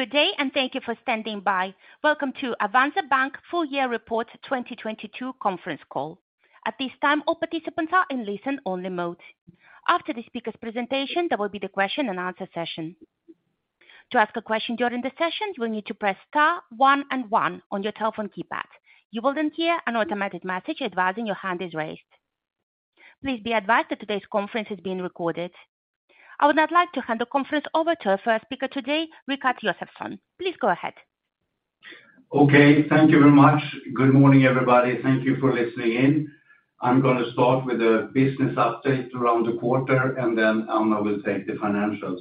Good day and thank you for standing by. Welcome to Avanza Bank Full Year Report 2022 Conference Call. At this time, all participants are in listen-only mode. After the speaker's presentation, there will be the question and answer session. To ask a question during the session, you will need to press star one and one on your telephone keypad. You will hear an automatic message advising your hand is raised. Please be advised that today's conference is being recorded. I would now like to hand the conference over to our first speaker today, Rikard Josefson. Please go ahead. Okay. Thank you very much. Good morning, everybody. Thank you for listening in. I'm gonna start with the business update around the quarter, and then Anna will take the financials.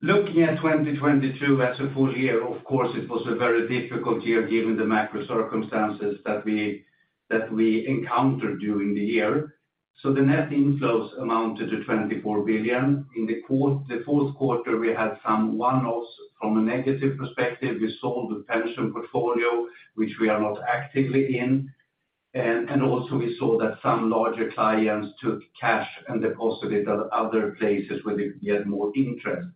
Looking at 2022 as a full year, of course, it was a very difficult year given the macro circumstances that we encountered during the year. The net inflows amounted to 24 billion. In the fourth quarter, we had some one-offs from a negative perspective. We sold the pension portfolio, which we are not actively in. Also we saw that some larger clients took cash and deposited at other places where they could get more interest.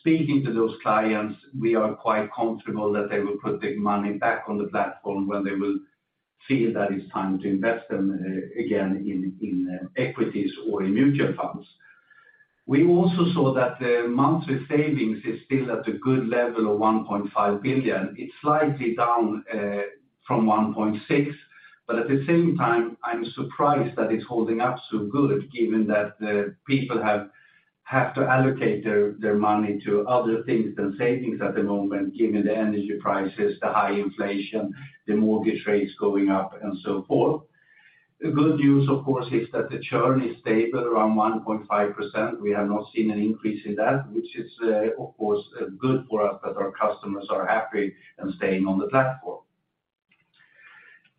Speaking to those clients, we are quite comfortable that they will put the money back on the platform when they will feel that it's time to invest them again in equities or in mutual funds. We also saw that the monthly savings is still at a good level of 1.5 billion. It's slightly down from 1.6 billion, but at the same time, I'm surprised that it's holding up so good given that the people have to allocate their money to other things than savings at the moment, given the energy prices, the high inflation, the mortgage rates going up, and so forth. The good news, of course, is that the churn is stable around 1.5%. We have not seen an increase in that, which is, of course good for us that our customers are happy and staying on the platform.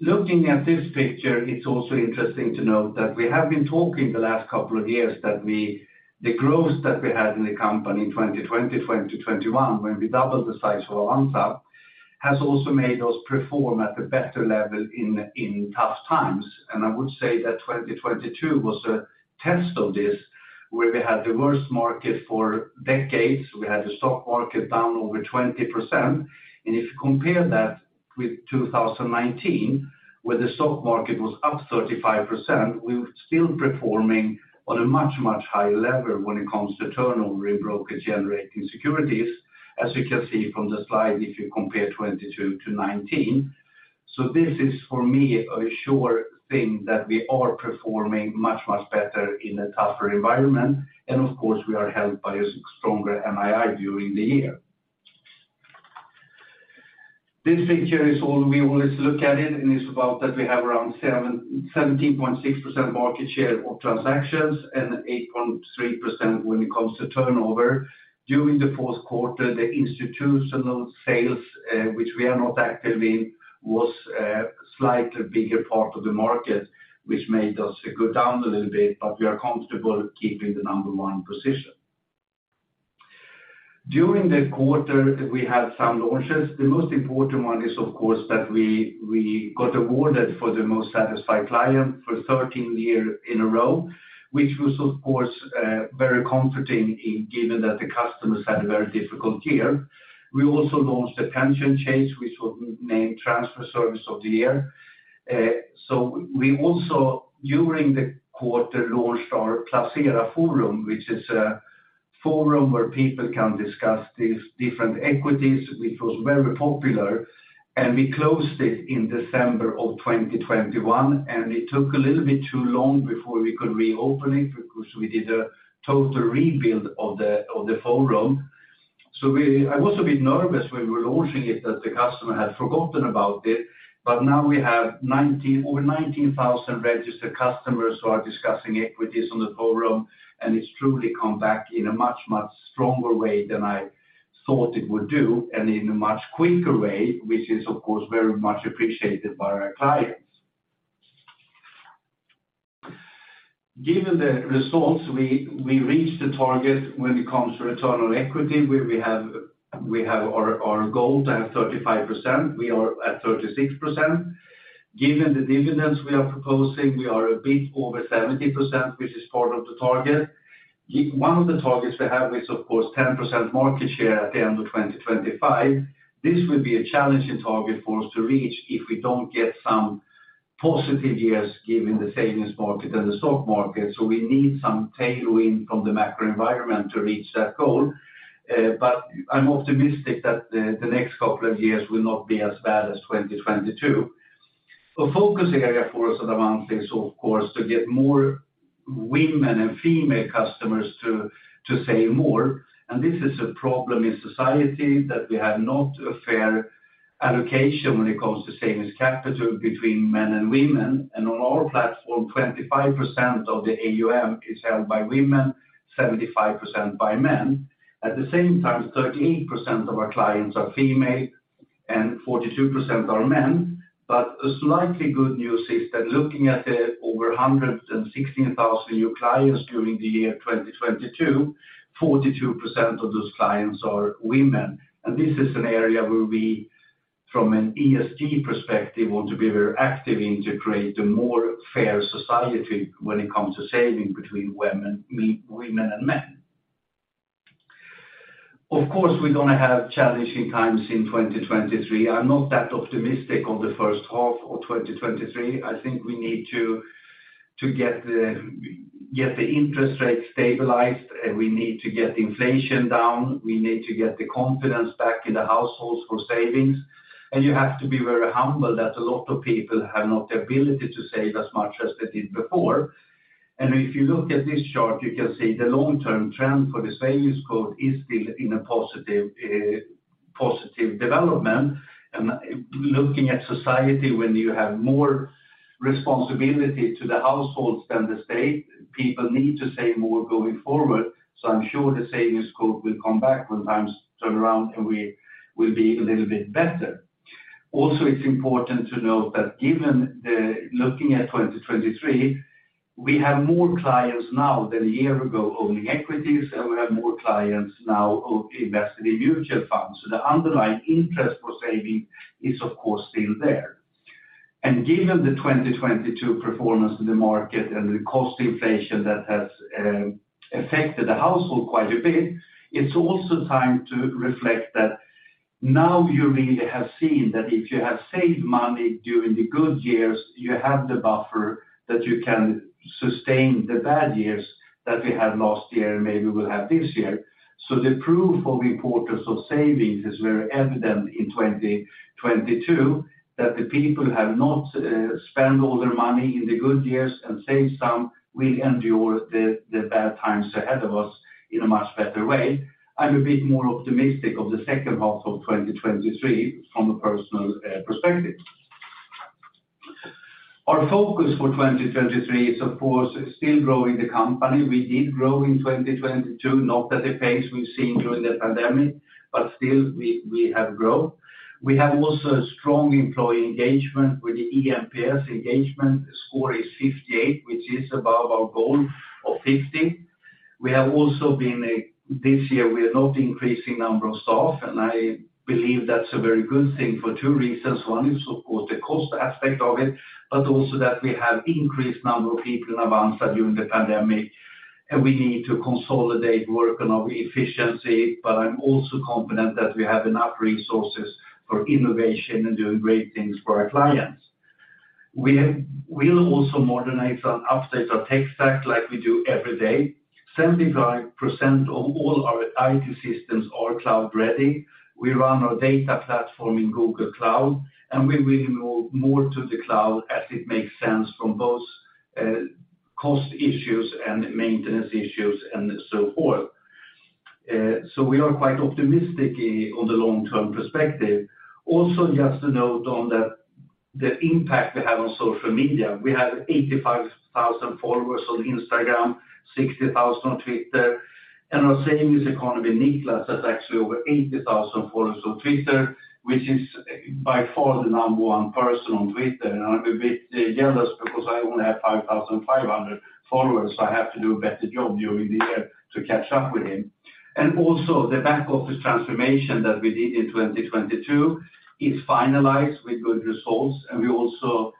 Looking at this picture, it's also interesting to note that we have been talking the last couple of years that we. The growth that we had in the company in 2020, 20 to 2021, when we doubled the size of Avanza, has also made us perform at a better level in tough times. I would say that 2022 was a test of this, where we had the worst market for decades. We had the stock market down over 20%. If you compare that with 2019, where the stock market was up 35%, we were still performing on a much, much higher level when it comes to turnover in brokerage-generating securities. As you can see from the slide, if you compare 2022 to 2019. This is for me a sure thing that we are performing much better in a tougher environment, and of course we are helped by a stronger NII during the year. This picture is We always look at it, and it's about that we have around 17.6% market share of transactions and 8.3% when it comes to turnover. During the fourth quarter, the institutional sales, which we are not active in, was a slightly bigger part of the market, which made us go down a little bit, but we are comfortable keeping the number one position. During the quarter we had some launches. The most important one is of course that we got awarded for the most satisfied client for 13th year in a row, which was of course, very comforting given that the customers had a very difficult year. We also launched a pension change, which was named Transfer Service of the Year. We also during the quarter launched our Placera Forum, which is a forum where people can discuss these different equities, which was very popular, and we closed it in December of 2021, and it took a little bit too long before we could reopen it because we did a total rebuild of the forum. We. I was a bit nervous when we were launching it that the customer had forgotten about it, but now we have over 19,000 registered customers who are discussing equities on the forum, and it's truly come back in a much stronger way than I thought it would do and in a much quicker way, which is of course very much appreciated by our clients. Given the results, we reached the target when it comes to return on equity, where we have our goal to have 35%. We are at 36%. Given the dividends we are proposing, we are a bit over 70%, which is part of the target. One of the targets we have is of course 10% market share at the end of 2025. This will be a challenging target for us to reach if we don't get some positive years given the savings market and the stock market. We need some tailwind from the macro environment to reach that goal. But I'm optimistic that the next couple of years will not be as bad as 2022. A focus area for us at Avanza is of course to get more women and female customers to save more. This is a problem in society that we have not a fair allocation when it comes to savings capital between men and women. On our platform, 25% of the AUM is held by women, 75% by men. At the same time, 13% of our clients are female and 42% are men. A slightly good news is that looking at the over 116,000 new clients during the year 2022, 42% of those clients are women. This is an area where we from an ESG perspective, want to be very active, integrate a more fair society when it comes to saving between women and men. Of course, we're gonna have challenging times in 2023. I'm not that optimistic on the first half of 2023. I think we need to get the interest rate stabilized, and we need to get inflation down. We need to get the confidence back in the households for savings. You have to be very humble that a lot of people have not the ability to save as much as they did before. If you look at this chart, you can see the long-term trend for the savings quote is still in a positive development. Looking at society, when you have more responsibility to the households than the state, people need to save more going forward. I'm sure the savings quote will come back when times turn around, and we will be a little bit better. It's important to note that given the Looking at 2023, we have more clients now than a year ago owning equities, and we have more clients now, invested in mutual funds. The underlying interest for saving is of course still there. Given the 2022 performance in the market and the cost inflation that has affected the household quite a bit, it's also time to reflect that now you really have seen that if you have saved money during the good years, you have the buffer that you can sustain the bad years that we had last year and maybe will have this year. The proof of importance of savings is very evident in 2022, that the people have not spent all their money in the good years and saved some will endure the bad times ahead of us in a much better way. I'm a bit more optimistic of the second half of 2023 from a personal perspective. Our focus for 2023 is of course still growing the company. We did grow in 2022, not at the pace we've seen during the pandemic, but still we have growth. We have also a strong employee engagement with the eNPS engagement score is 58, which is above our goal of 50. This year, we are not increasing number of staff, and I believe that's a very good thing for two reasons. One is of course the cost aspect of it, but also that we have increased number of people in Avanza during the pandemic, and we need to consolidate work on our efficiency, but I'm also confident that we have enough resources for innovation and doing great things for our clients. We'll also modernize and update our tech stack like we do every day. 75% of all our IT systems are cloud ready. We run our data platform in Google Cloud, we will move more to the cloud as it makes sense from both cost issues and maintenance issues and so forth. We are quite optimistic on the long-term perspective. Just a note on the impact we have on social media. We have 85,000 followers on Instagram, 60,000 on Twitter, and our Savings Economist Nicklas has actually over 80,000 followers on Twitter, which is by far the number one person on Twitter. I'm a bit jealous because I only have 5,500 followers. I have to do a better job during the year to catch up with him. Also the back office transformation that we did in 2022 is finalized with good results. We also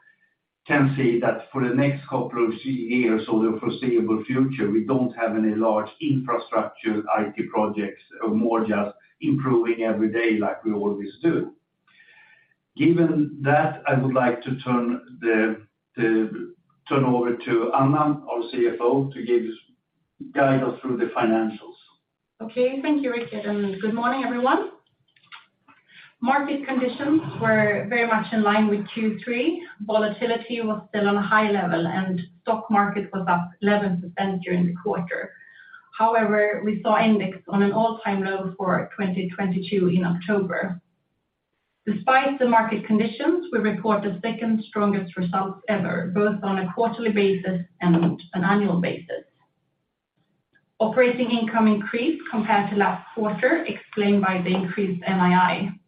can see that for the next couple of years or the foreseeable future, we don't have any large infrastructure IT projects or more just improving every day like we always do. Given that, I would like to turn over to Anna, our CFO, to guide us through the financials. Okay. Thank you, Rikard, and good morning everyone. Market conditions were very much in line with Q3. Volatility was still on a high level, and stock market was up 11% during the quarter. However, we saw index on an all-time low for 2022 in October. Despite the market conditions, we report the second strongest results ever, both on a quarterly basis and an annual basis. Operating income increased compared to last quarter, explained by the increased NII.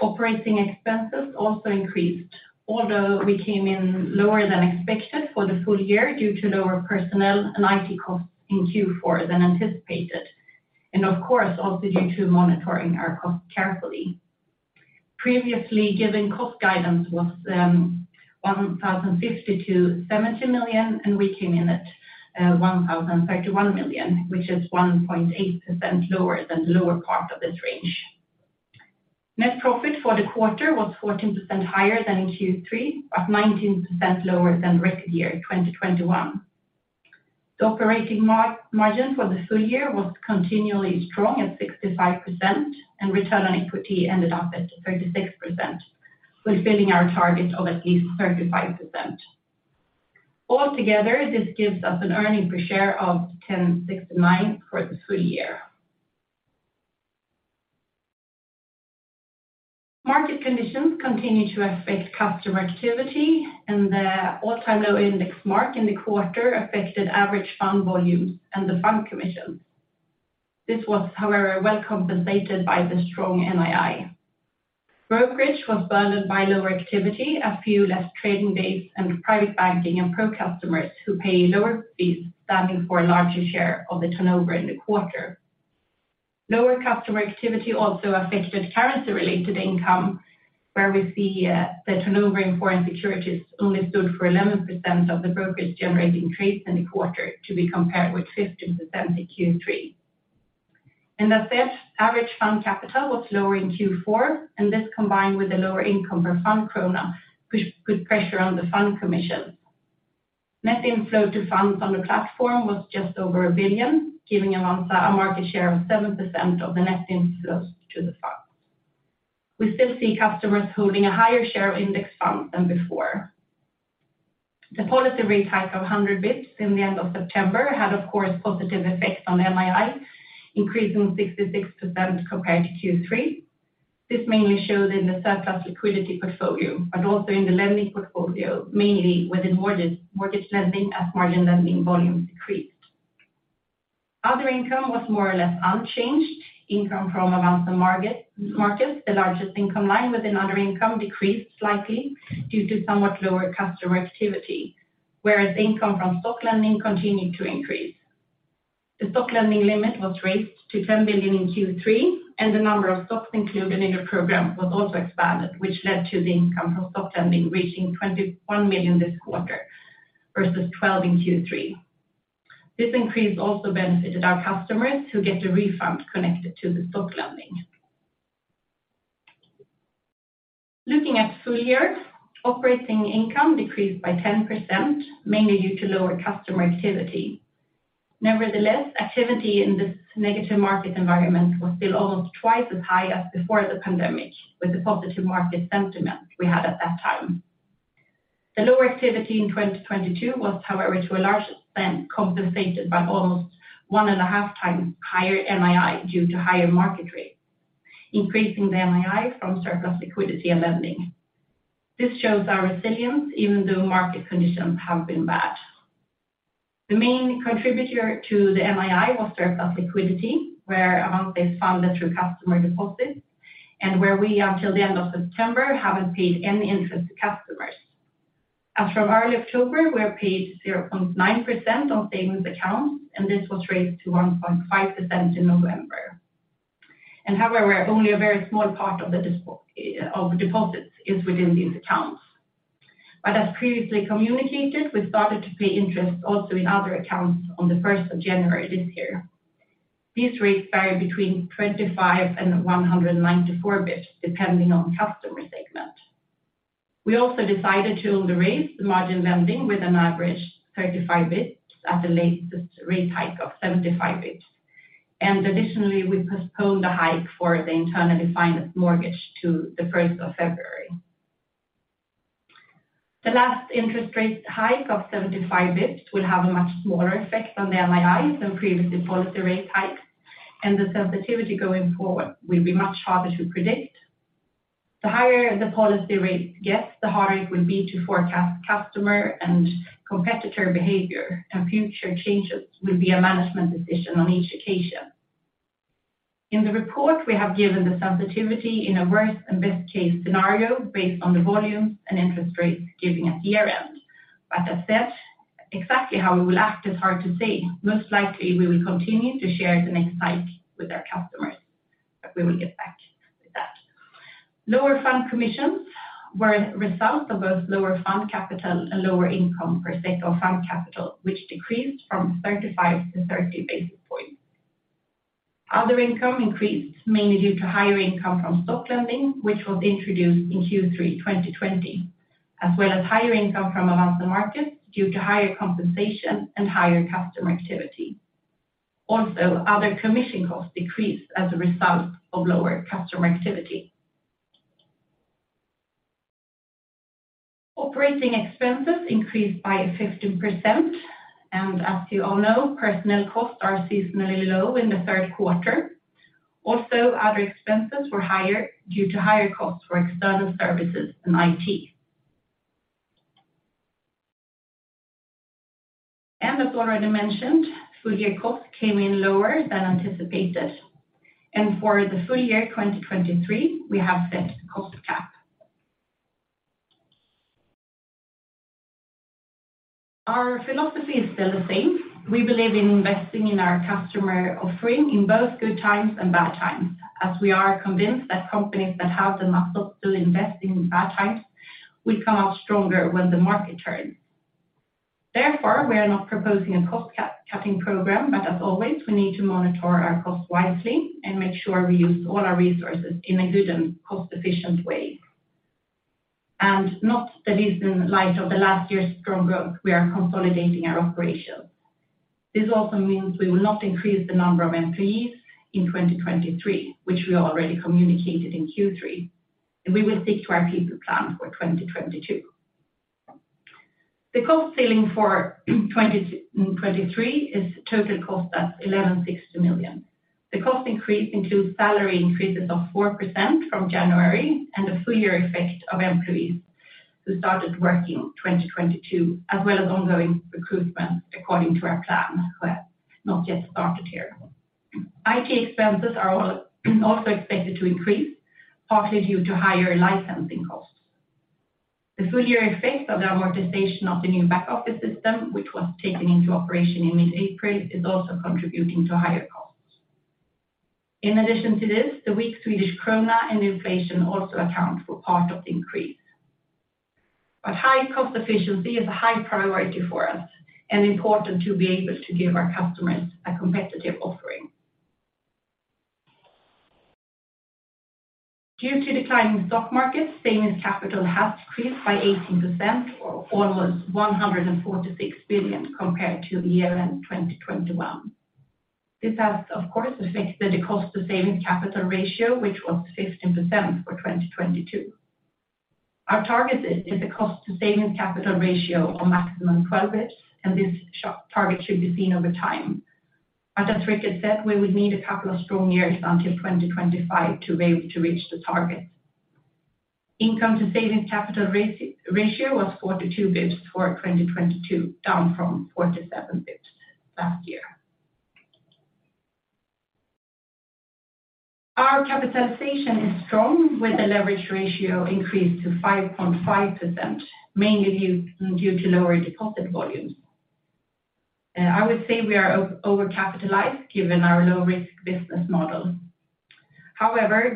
Operating expenses also increased, although we came in lower than expected for the full year due to lower personnel and IT costs in Q4 than anticipated and of course also due to monitoring our costs carefully. Previously given cost guidance was 1,050 million-1,070 million, and we came in at 1,031 million, which is 1.8% lower than the lower part of this range. Net profit for the quarter was 14% higher than in Q3. 19% lower than record year 2021. The operating margin for the full year was continually strong at 65%, and return on equity ended up at 36%. We're building our target of at least 35%. Altogether, this gives us an EPS of 10.69 for the full year. Market conditions continue to affect customer activity and the all-time low index mark in the quarter affected average fund volumes and the fund commission. This was however well compensated by the strong NII. Brokerage was burdened by lower activity, a few less trading days, and private banking and pro customers who pay lower fees standing for a larger share of the turnover in the quarter. Lower customer activity also affected currency related income, where we see, the turnover in foreign securities only stood for 11% of the brokerage-generating trades in the quarter to be compared with 15% in Q3. That said, average fund capital was lower in Q4, and this combined with the lower income per fund krona, put pressure on the fund commission. Net inflow to funds on the platform was just over 1 billion, giving Avanza a market share of 7% of the net inflows to the funds. We still see customers holding a higher share of index funds than before. The policy rate hike of 100 basis points in the end of September had, of course, positive effects on NII, increasing 66% compared to Q3. This mainly showed in the surplus liquidity portfolio, but also in the lending portfolio, mainly within mortgage lending as margin lending volumes decreased. Other income was more or less unchanged. Income from Avanza Markets, the largest income line within other income decreased slightly due to somewhat lower customer activity, whereas income from stock lending continued to increase. The stock lending limit was raised to 10 billion in Q3, and the number of stocks included in the program was also expanded, which led to the income from stock lending reaching 21 million this quarter versus 12 in Q3. This increase also benefited our customers who get a refund connected to the stock lending. Looking at full year, operating income decreased by 10%, mainly due to lower customer activity. Nevertheless, activity in this negative market environment was still almost twice as high as before the pandemic, with the positive market sentiment we had at that time. The lower activity in 2022 was, however, to a large extent compensated by almost 1.5x higher NII due to higher market rates, increasing the NII from surplus liquidity and lending. This shows our resilience even though market conditions have been bad. The main contributor to the NII was surplus liquidity, where Avanza is funded through customer deposits and where we, until the end of September, haven't paid any interest to customers. As from early October, we have paid 0.9% on savings accounts, and this was raised to 1.5% in November. However, only a very small part of the deposits is within these accounts. As previously communicated, we started to pay interest also in other accounts on the first of January this year. These rates vary between 25 and 194 basis points depending on customer segment. We also decided to underwrite the margin lending with an average 35 basis points at the latest rate hike of 75 basis points. Additionally, we postponed the hike for the internally financed mortgage to the first of February. The last interest rate hike of 75 basis points will have a much smaller effect on the NII than previous policy rate hikes, and the sensitivity going forward will be much harder to predict. The higher the policy rate gets, the harder it will be to forecast customer and competitor behavior, and future changes will be a management decision on each occasion. In the report, we have given the sensitivity in a worst and best case scenario based on the volumes and interest rates given at year-end. That said, exactly how we will act is hard to say. Most likely, we will continue to share the next hike with our customers, but we will get back with that. Lower fund commissions were a result of both lower fund capital and lower income per SEK of fund capital, which decreased from 35 to 30 basis points. Other income increased mainly due to higher income from stock lending, which was introduced in Q3 2020, as well as higher income from Avanza Markets due to higher compensation and higher customer activity. Other commission costs decreased as a result of lower customer activity. Operating expenses increased by 15%, and as you all know, personnel costs are seasonally low in the third quarter. Other expenses were higher due to higher costs for external services and IT. As already mentioned, full year costs came in lower than anticipated. For the full year 2023, we have set a cost cap. Our philosophy is still the same. We believe in investing in our customer offering in both good times and bad times, as we are convinced that companies that have the muscle to invest in bad times will come out stronger when the market turns. Therefore, we are not proposing a cost-cutting program, but as always, we need to monitor our costs wisely and make sure we use all our resources in a good and cost-efficient way. In light of the last year's strong growth, we are consolidating our operations. This also means we will not increase the number of employees in 2023, which we already communicated in Q3. We will stick to our people plan for 2022. The cost ceiling for 2023 is total cost at 1,160 million. The cost increase includes salary increases of 4% from January and the full year effect of employees who started working in 2022, as well as ongoing recruitment according to our plan who have not yet started here. IT expenses are also expected to increase, partly due to higher licensing costs. The full year effect of the amortization of the new back office system, which was taken into operation in mid-April, is also contributing to higher costs. In addition to this, the weak Swedish krona and inflation also account for part of the increase. High cost efficiency is a high priority for us and important to be able to give our customers a competitive offering. Due to declining stock markets, savings capital has decreased by 18% or almost 146 billion compared to year-end 2021. This has, of course, affected the cost to savings capital ratio, which was 15% for 2022. Our target is a cost to savings capital ratio of maximum 12 bps, and this target should be seen over time. As Rikard said, we would need a couple of strong years until 2025 to be able to reach the target. Income to savings capital ratio was 42 bps for 2022, down from 47 bps last year. Our capitalization is strong, with the leverage ratio increased to 5.5%, mainly due to lower deposit volumes. I would say we are overcapitalized given our low-risk business model.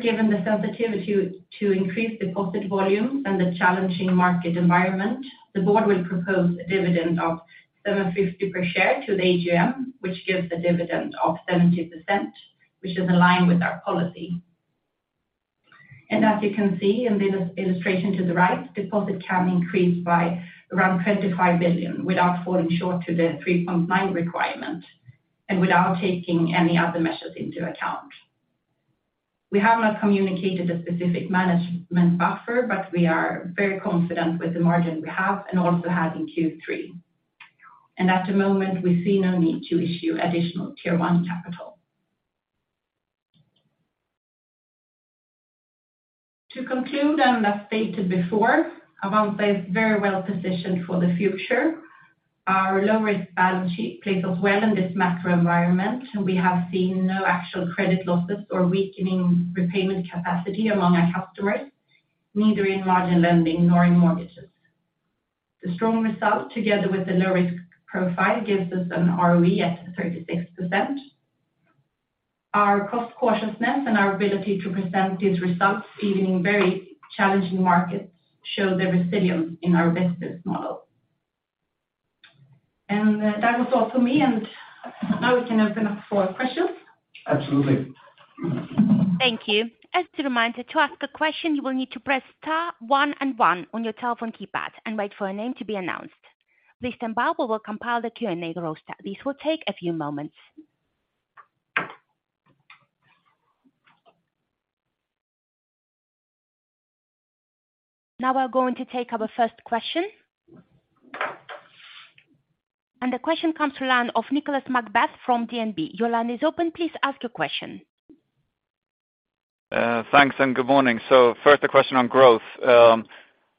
Given the sensitivity to increased deposit volumes and the challenging market environment, the board will propose a dividend of 7.50 per share to the AGM, which gives a dividend of 70%, which is aligned with our policy. As you can see in the illustration to the right, deposit can increase by around 25 billion without falling short to the 3.9 requirement and without taking any other measures into account. We have not communicated a specific management buffer. We are very confident with the margin we have and also had in Q3. At the moment, we see no need to issue additional Tier 1 capital. To conclude, as stated before, Avanza is very well positioned for the future. Our low-risk balance sheet plays us well in this macro environment, and we have seen no actual credit losses or weakening repayment capacity among our customers, neither in margin lending nor in mortgages. The strong result together with the low-risk profile gives us an ROE at 36%. Our cost cautiousness and our ability to present these results even in very challenging markets show the resilience in our business model. That was all for me, and now we can open up for questions. Absolutely. Thank you. As a reminder, to ask a question, you will need to press star one and one on your telephone keypad and wait for a name to be announced. Please stand by while we compile the Q&A roster. This will take a few moments. Now we're going to take our first question. The question comes to line of Nicolas McBeath from DNB. Your line is open. Please ask your question. Thanks, good morning. First, a question on growth.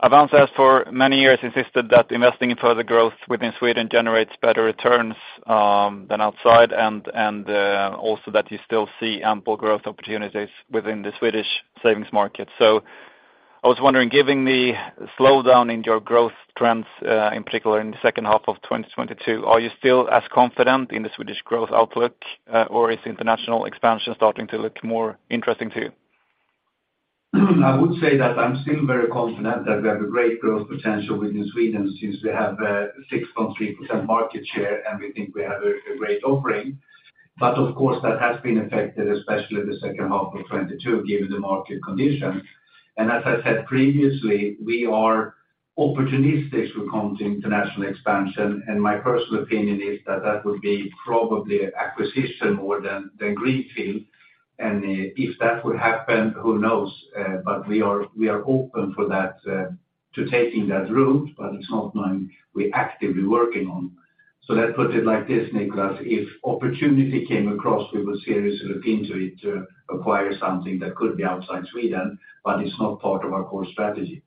Avanza has for many years insisted that investing in further growth within Sweden generates better returns than outside and also that you still see ample growth opportunities within the Swedish savings market. I was wondering, given the slowdown in your growth trends, in particular in the second half of 2022, are you still as confident in the Swedish growth outlook, or is international expansion starting to look more interesting to you? I would say that I'm still very confident that we have a great growth potential within Sweden since we have 6.3% market share, and we think we have a great offering. Of course, that has been affected especially the second half of 2022 given the market conditions. As I said previously, we are opportunistic when it comes to international expansion, and my personal opinion is that that would be probably acquisition more than greenfield. If that would happen, who knows? But we are open for that to taking that route, but it's not something we're actively working on. Let's put it like this, Nicolas. If opportunity came across, we would seriously look into it to acquire something that could be outside Sweden, but it's not part of our core strategy.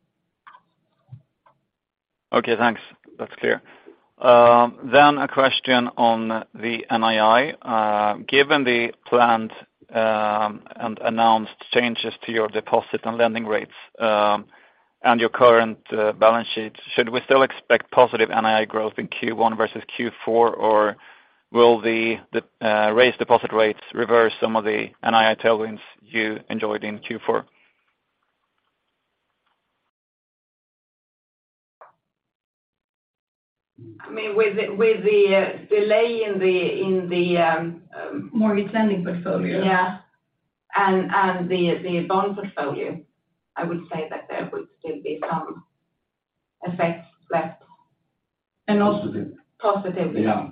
Okay, thanks. That's clear. A question on the NII. Given the planned, and announced changes to your deposit and lending rates, and your current, balance sheet, should we still expect positive NII growth in Q1 versus Q4, or will the raised deposit rates reverse some of the NII tailwinds you enjoyed in Q4? I mean, with the delay in the. Mortgage lending portfolio Yeah, and the bond portfolio, I would say that there would still be some effects left. And also positive. Yeah.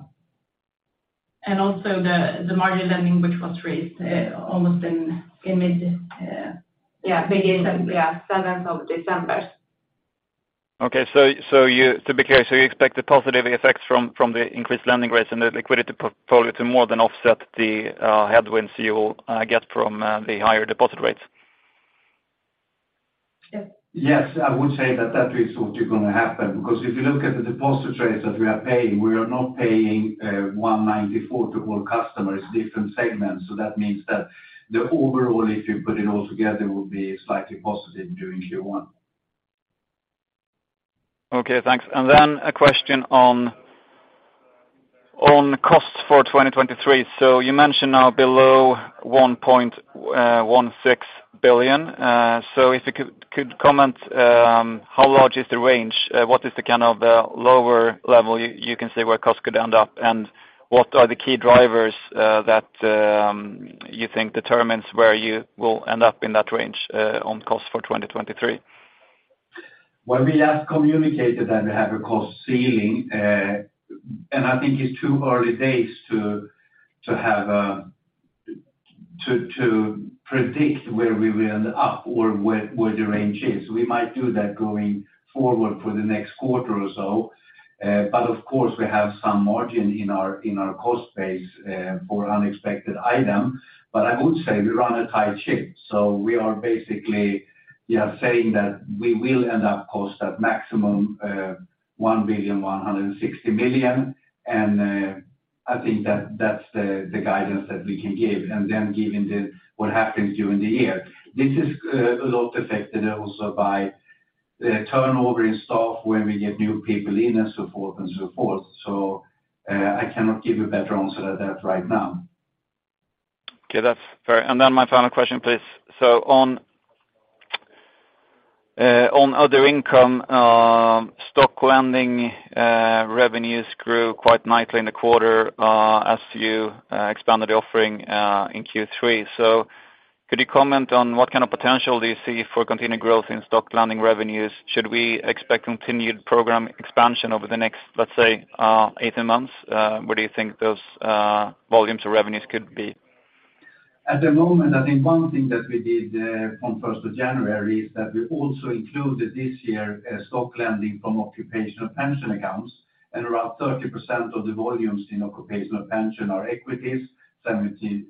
Also the margin lending which was raised almost in mid. Yeah, beginning, yeah, seventh of December. Okay. You to be clear, you expect the positive effects from the increased lending rates and the liquidity portfolio to more than offset the headwinds you will get from the higher deposit rates? Yes. Yes, I would say that that is what is gonna happen because if you look at the deposit rates that we are paying, we are not paying 1.94% to all customers, different segments. That means that the overall, if you put it all together, will be slightly positive during Q1. Okay, thanks. A question on costs for 2023. You mentioned now below 1.16 billion. If you could comment, how large is the range? What is the kind of the lower level you can say where costs could end up? What are the key drivers that you think determines where you will end up in that range on cost for 2023? Well, we have communicated that we have a cost ceiling. I think it's too early days to predict where we will end up or where the range is. We might do that going forward for the next quarter or so. Of course, we have some margin in our cost base for unexpected item. I would say we run a tight ship, so we are basically, yeah, saying that we will end up cost at maximum, 1.16 billion. I think that's the guidance that we can give. Given what happens during the year, this is a lot affected also by the turnover in staff, when we get new people in and so forth and so forth. I cannot give you a better answer than that right now. Okay, that's fair. My final question, please. On other income, stock lending revenues grew quite nicely in the quarter, as you expanded the offering in Q3. Could you comment on what kind of potential do you see for continued growth in stock lending revenues? Should we expect continued program expansion over the next, let's say, 18 months? Where do you think those volumes or revenues could be? At the moment, I think one thing that we did from first of January is that we also included this year stock lending from occupational pension accounts. Around 30% of the volumes in occupational pension are equities, 17%.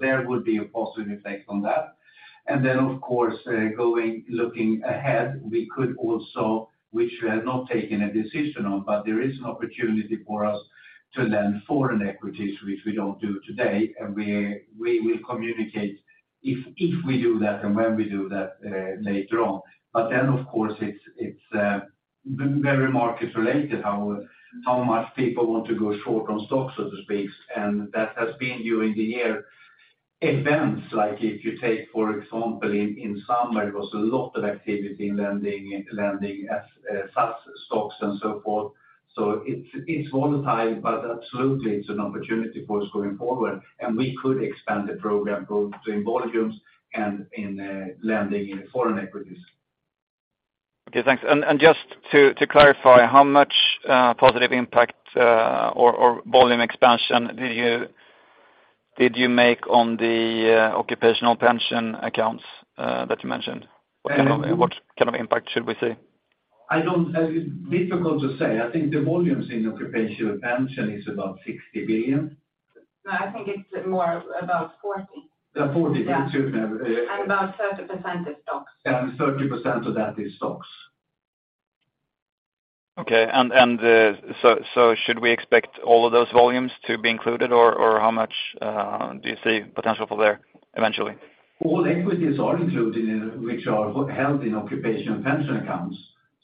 There would be a positive effect on that. Then of course, going, looking ahead, we could also, which we have not taken a decision on, but there is an opportunity for us to lend foreign equities, which we don't do today. We will communicate if we do that and when we do that later on. Then of course it's very market related how much people want to go short on stocks, so to speak. That has been during the year events like if you take for example, in summer it was a lot of activity in lending as FAANG stocks and so forth. It's, it's volatile, but absolutely it's an opportunity for us going forward, and we could expand the program both in volumes and in lending in foreign equities. Okay, thanks. Just to clarify, how much positive impact or volume expansion did you make on the occupational pension accounts that you mentioned? What kind of impact should we see? Difficult to say. I think the volumes in occupational pension is about 60 billion. No, I think it's more about 40. Yeah, 40. Yeah. Excuse me. About 30% is stocks. 30% of that is stocks. Okay. Should we expect all of those volumes to be included or how much do you see potential for there eventually? All equities are included in which are held in occupational pension accounts.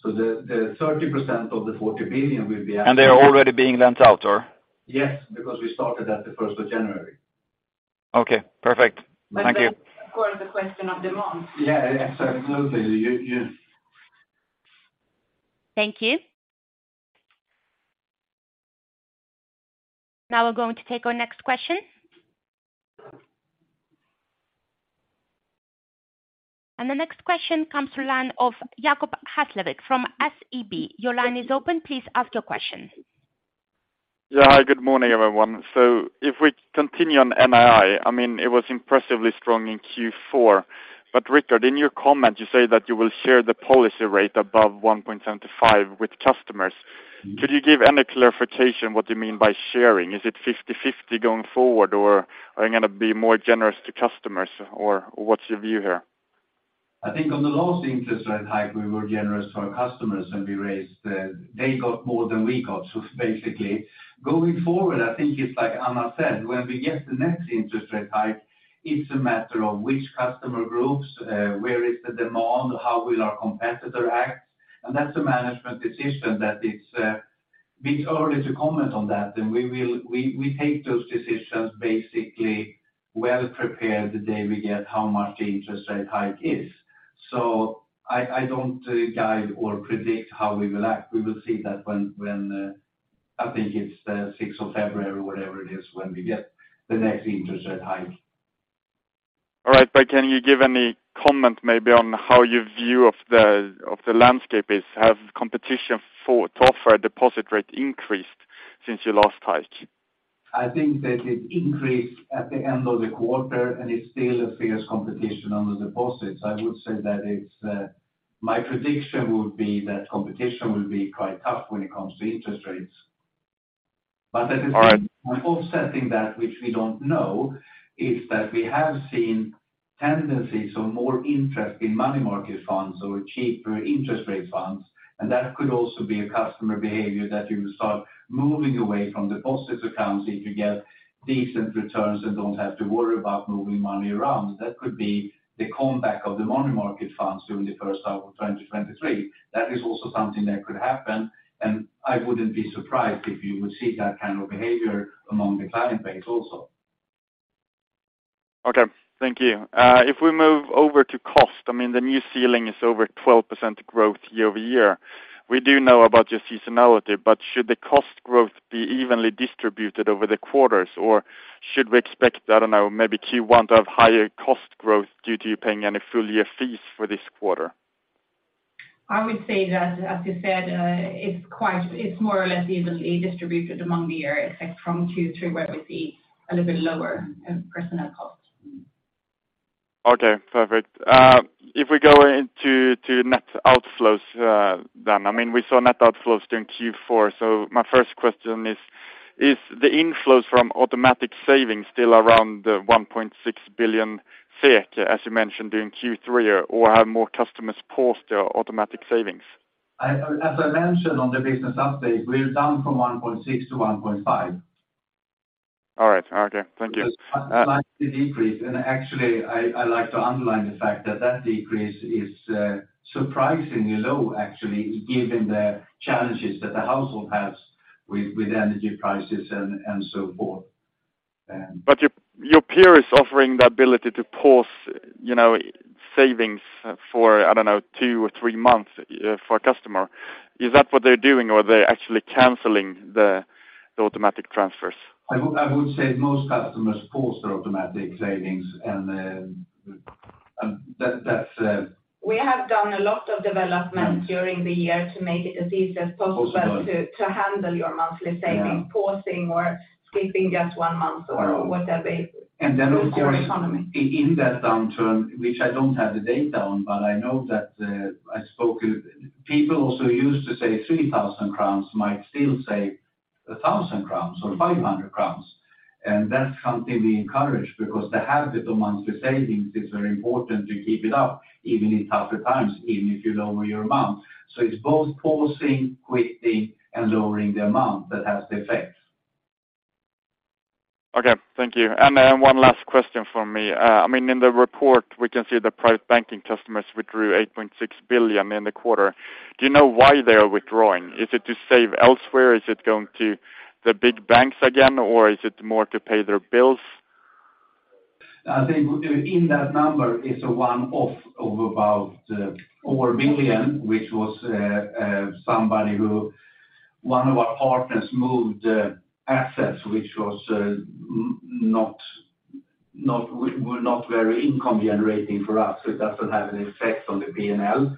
The, the 30% of the 40 billion will be actually. They're already being lent out or? Yes, because we started that the first of January. Okay, perfect. Thank you. That's of course the question of demand. Yeah. Yes, absolutely. You. Thank you. Now we're going to take our next question. The next question comes to line of Jakob Hesslevik from SEB. Your line is open. Please ask your question. Yeah. Hi, good morning, everyone. If we continue on NII, I mean, it was impressively strong in Q4. Rikard, in your comment you say that you will share the policy rate above 1.75 with customers. Could you give any clarification what you mean by sharing? Is it 50/50 going forward or are you gonna be more generous to customers or what's your view here? I think on the last interest rate hike we were generous to our customers, we raised. They got more than we got basically. Going forward, I think it's like Anna said, when we get the next interest rate hike, it's a matter of which customer groups, where is the demand, how will our competitor act? That's a management decision that it's a bit early to comment on that. We take those decisions basically well-prepared the day we get how much the interest rate hike is. I don't guide or predict how we will act. We will see that when I think it's the 6th of February, whatever it is, when we get the next interest rate hike. All right. Can you give any comment maybe on how your view of the landscape is? Have competition for tougher deposit rate increased since your last hike? I think that it increased at the end of the quarter, and it's still a fierce competition on the deposits. I would say that it's, My prediction would be that competition will be quite tough when it comes to interest rates. All right. Offsetting that, which we don't know, is that we have seen tendencies or more interest in money market funds or cheaper interest rate funds. That could also be a customer behavior that you start moving away from deposit accounts if you get decent returns and don't have to worry about moving money around. That could be the comeback of the money market funds during the first half of 2023. That is also something that could happen, and I wouldn't be surprised if you would see that kind of behavior among the client base also. Okay, thank you. If we move over to cost, I mean, the new ceiling is over 12% growth year-over-year. We do know about your seasonality, should the cost growth be evenly distributed over the quarters, or should we expect, I don't know, maybe Q1 to have higher cost growth due to you paying any full year fees for this quarter? I would say that as you said, it's more or less evenly distributed among the year, except from Q3, where we see a little bit lower, personnel costs. Okay, perfect. If we go into net outflows. I mean, we saw net outflows during Q4. My first question is the inflows from automatic savings still around 1.6 billion SEK, as you mentioned during Q3, or have more customers paused their automatic savings? As I mentioned on the business update, we're down from 1.6 to 1.5. All right. Okay. Thank you. A slight decrease. Actually, I like to underline the fact that that decrease is surprisingly low actually, given the challenges that the household has with energy prices and so forth. Your, your peer is offering the ability to pause, you know, savings for, I don't know, two or three months for a customer. Is that what they're doing or are they actually canceling the automatic transfers? I would say most customers pause their automatic savings. That's. We have done a lot of development during the year to make it as easy as possible to handle your monthly savings, pausing or skipping just one month or whatever. Of course. The current economy. In that downturn, which I don't have the data on, but I know that People also used to save 3,000 crowns might still save 1,000 crowns or 500 crowns. That's something we encourage because the habit amongst the savings is very important to keep it up even in tougher times, even if you lower your amount. It's both pausing, quitting and lowering the amount that has the effect. Okay. Thank you. One last question from me. I mean, in the report we can see the private banking customers withdrew 8.6 billion in the quarter. Do you know why they are withdrawing? Is it to save elsewhere? Is it going to the big banks again, or is it more to pay their bills? I think in that number is a one-off of about over 1 billion, which was somebody who. One of our partners moved assets which were not very income generating for us, so it doesn't have an effect on the P&L.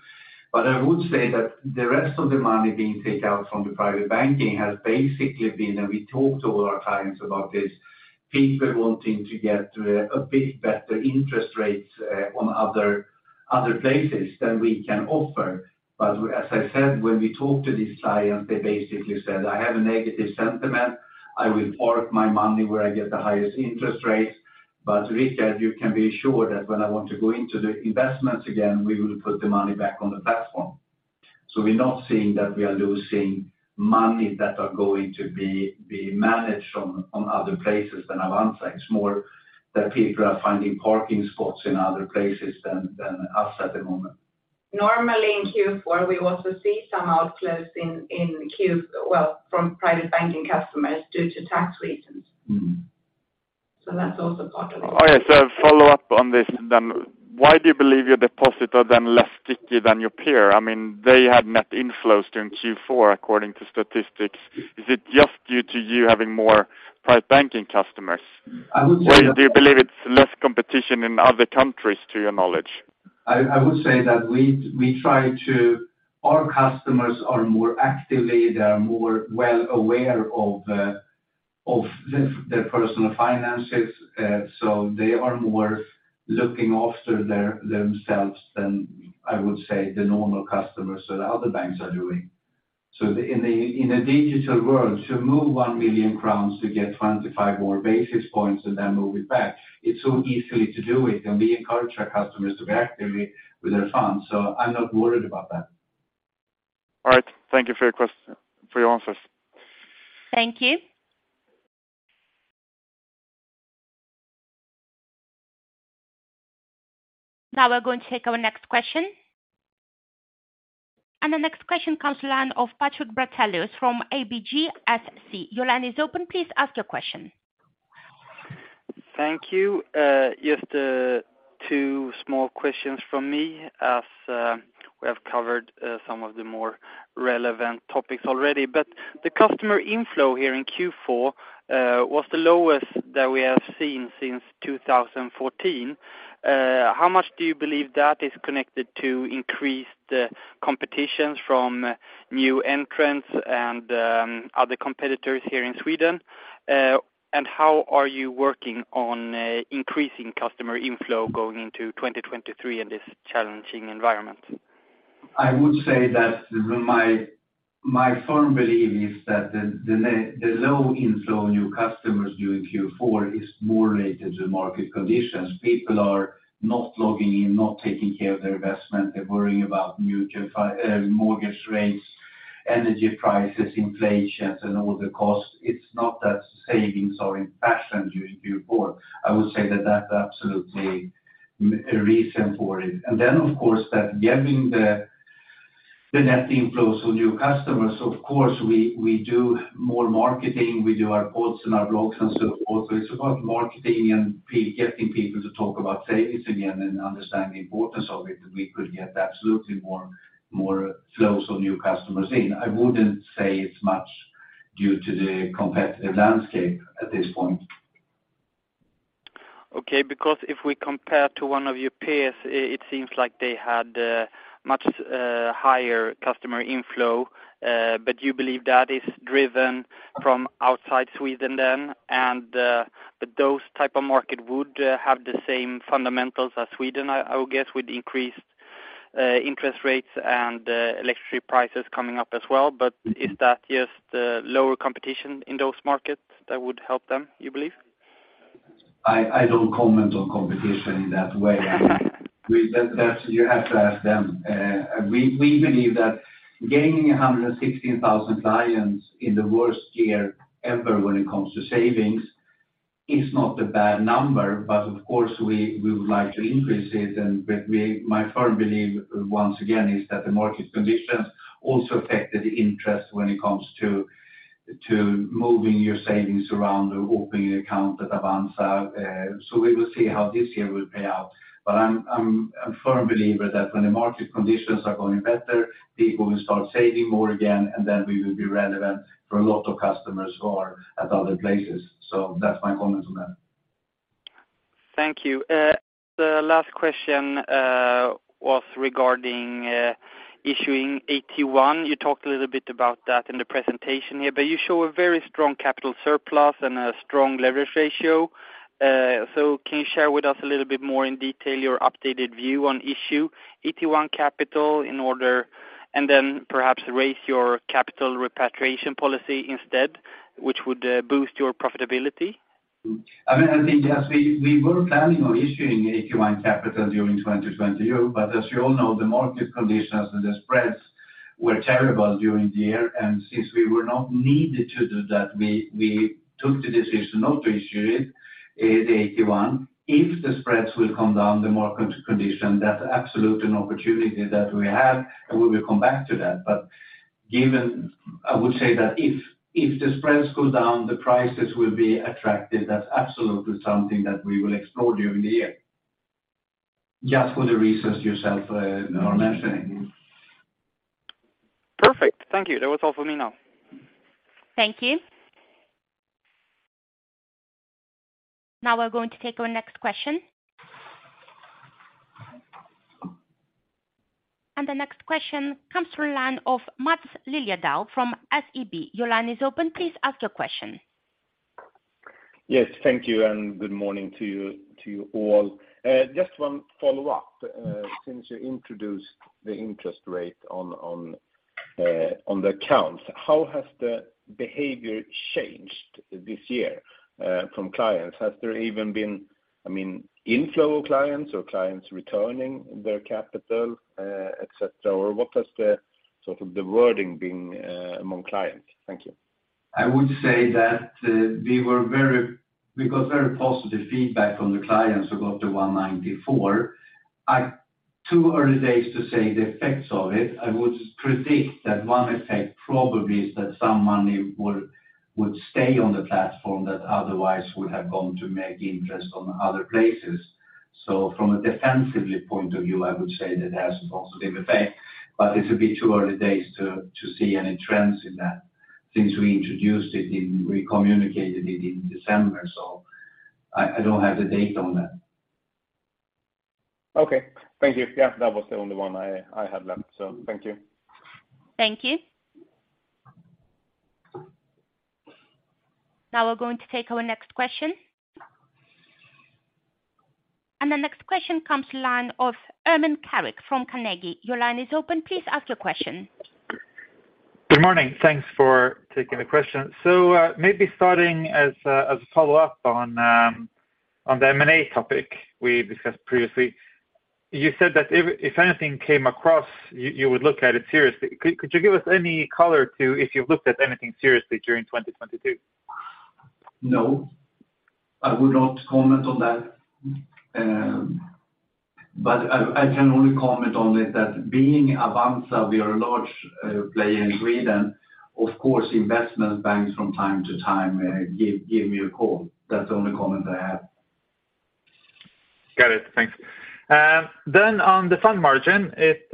I would say that the rest of the money being taken out from the private banking has basically been, and we talked to our clients about this, people wanting to get a bit better interest rates on other places than we can offer. As I said, when we talk to these clients, they basically said, "I have a negative sentiment. I will park my money where I get the highest interest rates. Rikard, you can be assured that when I want to go into the investments again, we will put the money back on the platform." We're not seeing that we are losing money that are going to be managed on other places than Avanza. It's more that people are finding parking spots in other places than us at the moment. Normally in Q4, we also see some outflows Well, from private banking customers due to tax reasons. That's also part of it. Okay. Follow up on this then. Why do you believe your depositor then less sticky than your peer? I mean, they had net inflows during Q4 according to statistics. Is it just due to you having more private banking customers? I would say that Do you believe it's less competition in other countries to your knowledge? Our customers are more actively, they are more well aware of their personal finances. They are more looking after themselves than I would say the normal customers that other banks are doing. In a digital world, to move 1 million crowns to get 25 more basis points and then move it back, it's so easy to do it, and we encourage our customers to be actively with their funds. I'm not worried about that. All right. Thank you for your answers. Thank you. Now we're going to take our next question. The next question comes the line of Patrik Brattelius from ABGSC. Your line is open. Please ask your question. Thank you. Just two small questions from me as we have covered some of the more relevant topics already. The customer inflow here in Q4 was the lowest that we have seen since 2014. How much do you believe that is connected to increased competitions from new entrants and other competitors here in Sweden? How are you working on increasing customer inflow going into 2023 in this challenging environment? I would say that my firm belief is that the low inflow of new customers during Q4 is more related to market conditions. People are not logging in, not taking care of their investment. They're worrying about new gen mortgage rates. Energy prices, inflation, and all the costs, it's not that savings are in fashion during Q4. I would say that that's absolutely recent for it. Of course, that getting the net inflows of new customers, of course, we do more marketing. We do our posts and our blogs and so forth. It's about marketing and getting people to talk about savings again and understand the importance of it, that we could get absolutely more, more flows of new customers in. I wouldn't say it's much due to the competitive landscape at this point. Okay, because if we compare to one of your peers, it seems like they had much higher customer inflow. You believe that is driven from outside Sweden then, those type of market would have the same fundamentals as Sweden I would guess, with increased interest rates and electricity prices coming up as well. Is that just lower competition in those markets that would help them, you believe? I don't comment on competition in that way. I mean, you have to ask them. We believe that gaining 116,000 clients in the worst year ever when it comes to savings is not a bad number. Of course we would like to increase it. My firm belief once again is that the market conditions also affected the interest when it comes to moving your savings around or opening an account at Avanza. We will see how this year will pay out. I'm a firm believer that when the market conditions are going better, people will start saving more again, and then we will be relevant for a lot of customers who are at other places. That's my comment on that. Thank you. The last question was regarding issuing AT1. You talked a little bit about that in the presentation here, but you show a very strong capital surplus and a strong leverage ratio. Can you share with us a little bit more in detail your updated view on issue AT1 capital in order, and then perhaps raise your capital repatriation policy instead, which would boost your profitability? I mean, I think yes, we were planning on issuing AT1 capital during 2020. As you all know, the market conditions and the spreads were terrible during the year. Since we were not needed to do that, we took the decision not to issue it, the AT1. If the spreads will come down, the market condition, that's absolute an opportunity that we have, and we will come back to that. Given. I would say that if the spreads go down, the prices will be attractive. That's absolutely something that we will explore during the year. Just for the reasons yourself are mentioning. Perfect. Thank you. That was all for me now. Thank you. Now we're going to take our next question. The next question comes through line of Maths Liljedahl from SEB. Your line is open. Please ask your question. Yes, thank you, and good morning to you all. Just one follow-up. Since you introduced the interest rate on the accounts, how has the behavior changed this year, from clients? Has there even been, I mean, inflow of clients or clients returning their capital, et cetera? What has the, sort of the wording been, among clients? Thank you. I would say that we got very positive feedback from the clients about the 1.94. I. Too early days to say the effects of it. I would predict that one effect probably is that some money would stay on the platform that otherwise would have gone to make interest on other places. From a defensively point of view, I would say that it has a positive effect, but it would be too early days to see any trends in that since we communicated it in December. I don't have the date on that. Okay. Thank you. Yeah, that was the only one I had left, so thank you. Thank you. Now we're going to take our next question. The next question comes line of Ermin Keric from Carnegie. Your line is open. Please ask your question. Good morning. Thanks for taking the question. Maybe starting as a follow-up on the M&A topic we discussed previously. You said that if anything came across, you would look at it seriously. Could you give us any color to if you've looked at anything seriously during 2022? No. I would not comment on that. I can only comment on it that being Avanza, we are a large player in Sweden. Of course, investment banks from time to time give me a call. That's the only comment I have. Got it. Thanks. On the fund margin, it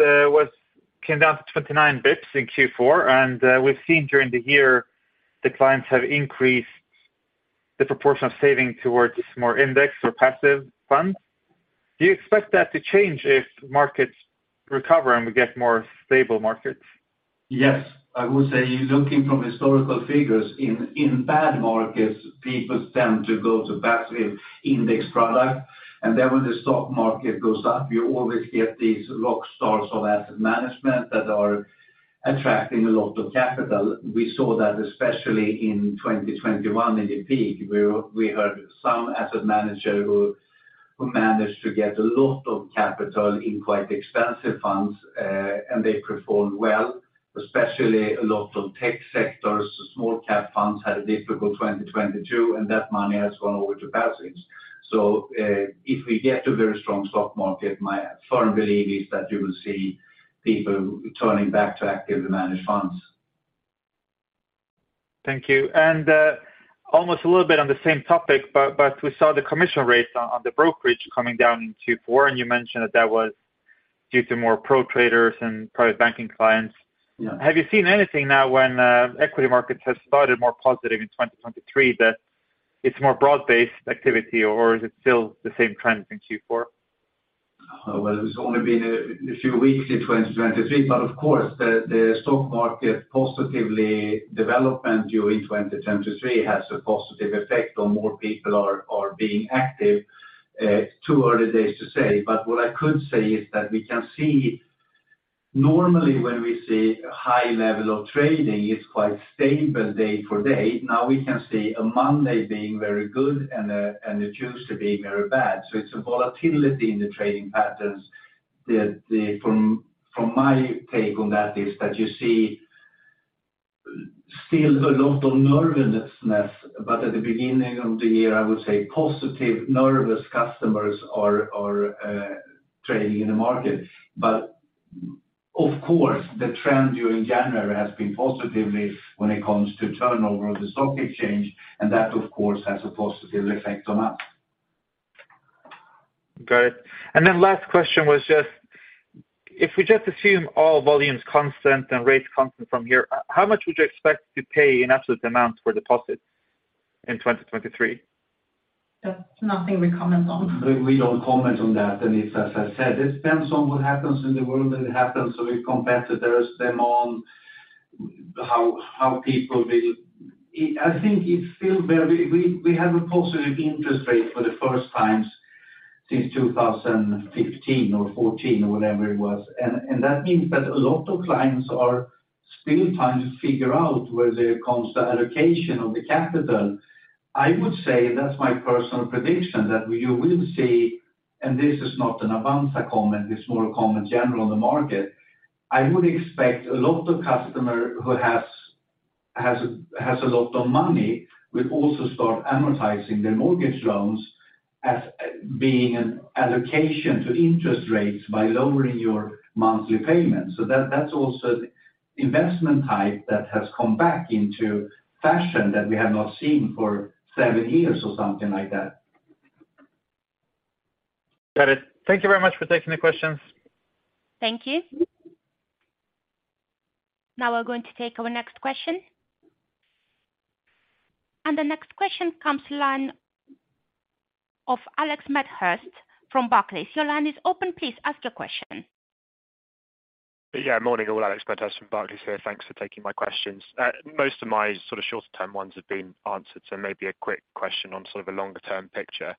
came down to 29 bps in Q4. We've seen during the year the clients have increased the proportion of saving towards more index or passive funds. Do you expect that to change if markets recover and we get more stable markets? Yes. I would say you're looking from historical figures. In bad markets, people tend to go to passive index product. When the stock market goes up, you always get these rock stars of asset management that are attracting a lot of capital. We saw that especially in 2021 in the peak, where we heard some asset manager who managed to get a lot of capital in quite expensive funds, and they performed well, especially a lot of tech sectors. Small cap funds had a difficult 2022, and that money has gone over to passives. If we get a very strong stock market, my firm belief is that you will see people turning back to actively managed funds. Thank you. almost a little bit on the same topic, but we saw the commission rates on the brokerage coming down in Q4, and you mentioned that was due to more pro traders and private banking clients. Yeah. Have you seen anything now when equity markets have started more positive in 2023 that it's more broad-based activity, or is it still the same trend in Q4? Well, it's only been a few weeks in 2023. Of course the stock market positively development during 2023 has a positive effect on more people are being active. Too early days to say. What I could say is that we can see. Normally, when we see a high level of trading, it's quite stable day for day. Now we can see a Monday being very good and a Tuesday being very bad. It's a volatility in the trading patterns that From my take on that is that you see still a lot of nervousness. At the beginning of the year, I would say positive nervous customers are trading in the market. Of course, the trend during January has been positively when it comes to turnover of the stock exchange, and that of course has a positive effect on us. Got it. Last question was just if we just assume all volumes constant and rates constant from here, how much would you expect to pay in absolute amounts for deposits in 2023? That's nothing we comment on. We don't comment on that. It's as I said, it depends on what happens in the world, and it happens with competitors, them on how people will. I think it feel very. We have a positive interest rate for the first time since 2015 or 2014 or whatever it was. That means that a lot of clients are still trying to figure out where they constant allocation of the capital. I would say that's my personal prediction, that we will see. This is not an Avanza comment. It's more a comment general on the market. I would expect a lot of customer who has a lot of money will also start amortizing their mortgage loans as being an allocation to interest rates by lowering your monthly payments. That's also investment type that has come back into fashion that we have not seen for seven years or something like that. Got it. Thank you very much for taking the questions. Thank you. Now we're going to take our next question. The next question comes line of Alex Medhurst from Barclays. Your line is open. Please ask your question. Yeah. Morning, all. Alex Medhurst from Barclays here. Thanks for taking my questions. Most of my sort of shorter term ones have been answered. Maybe a quick question on sort of a longer term picture.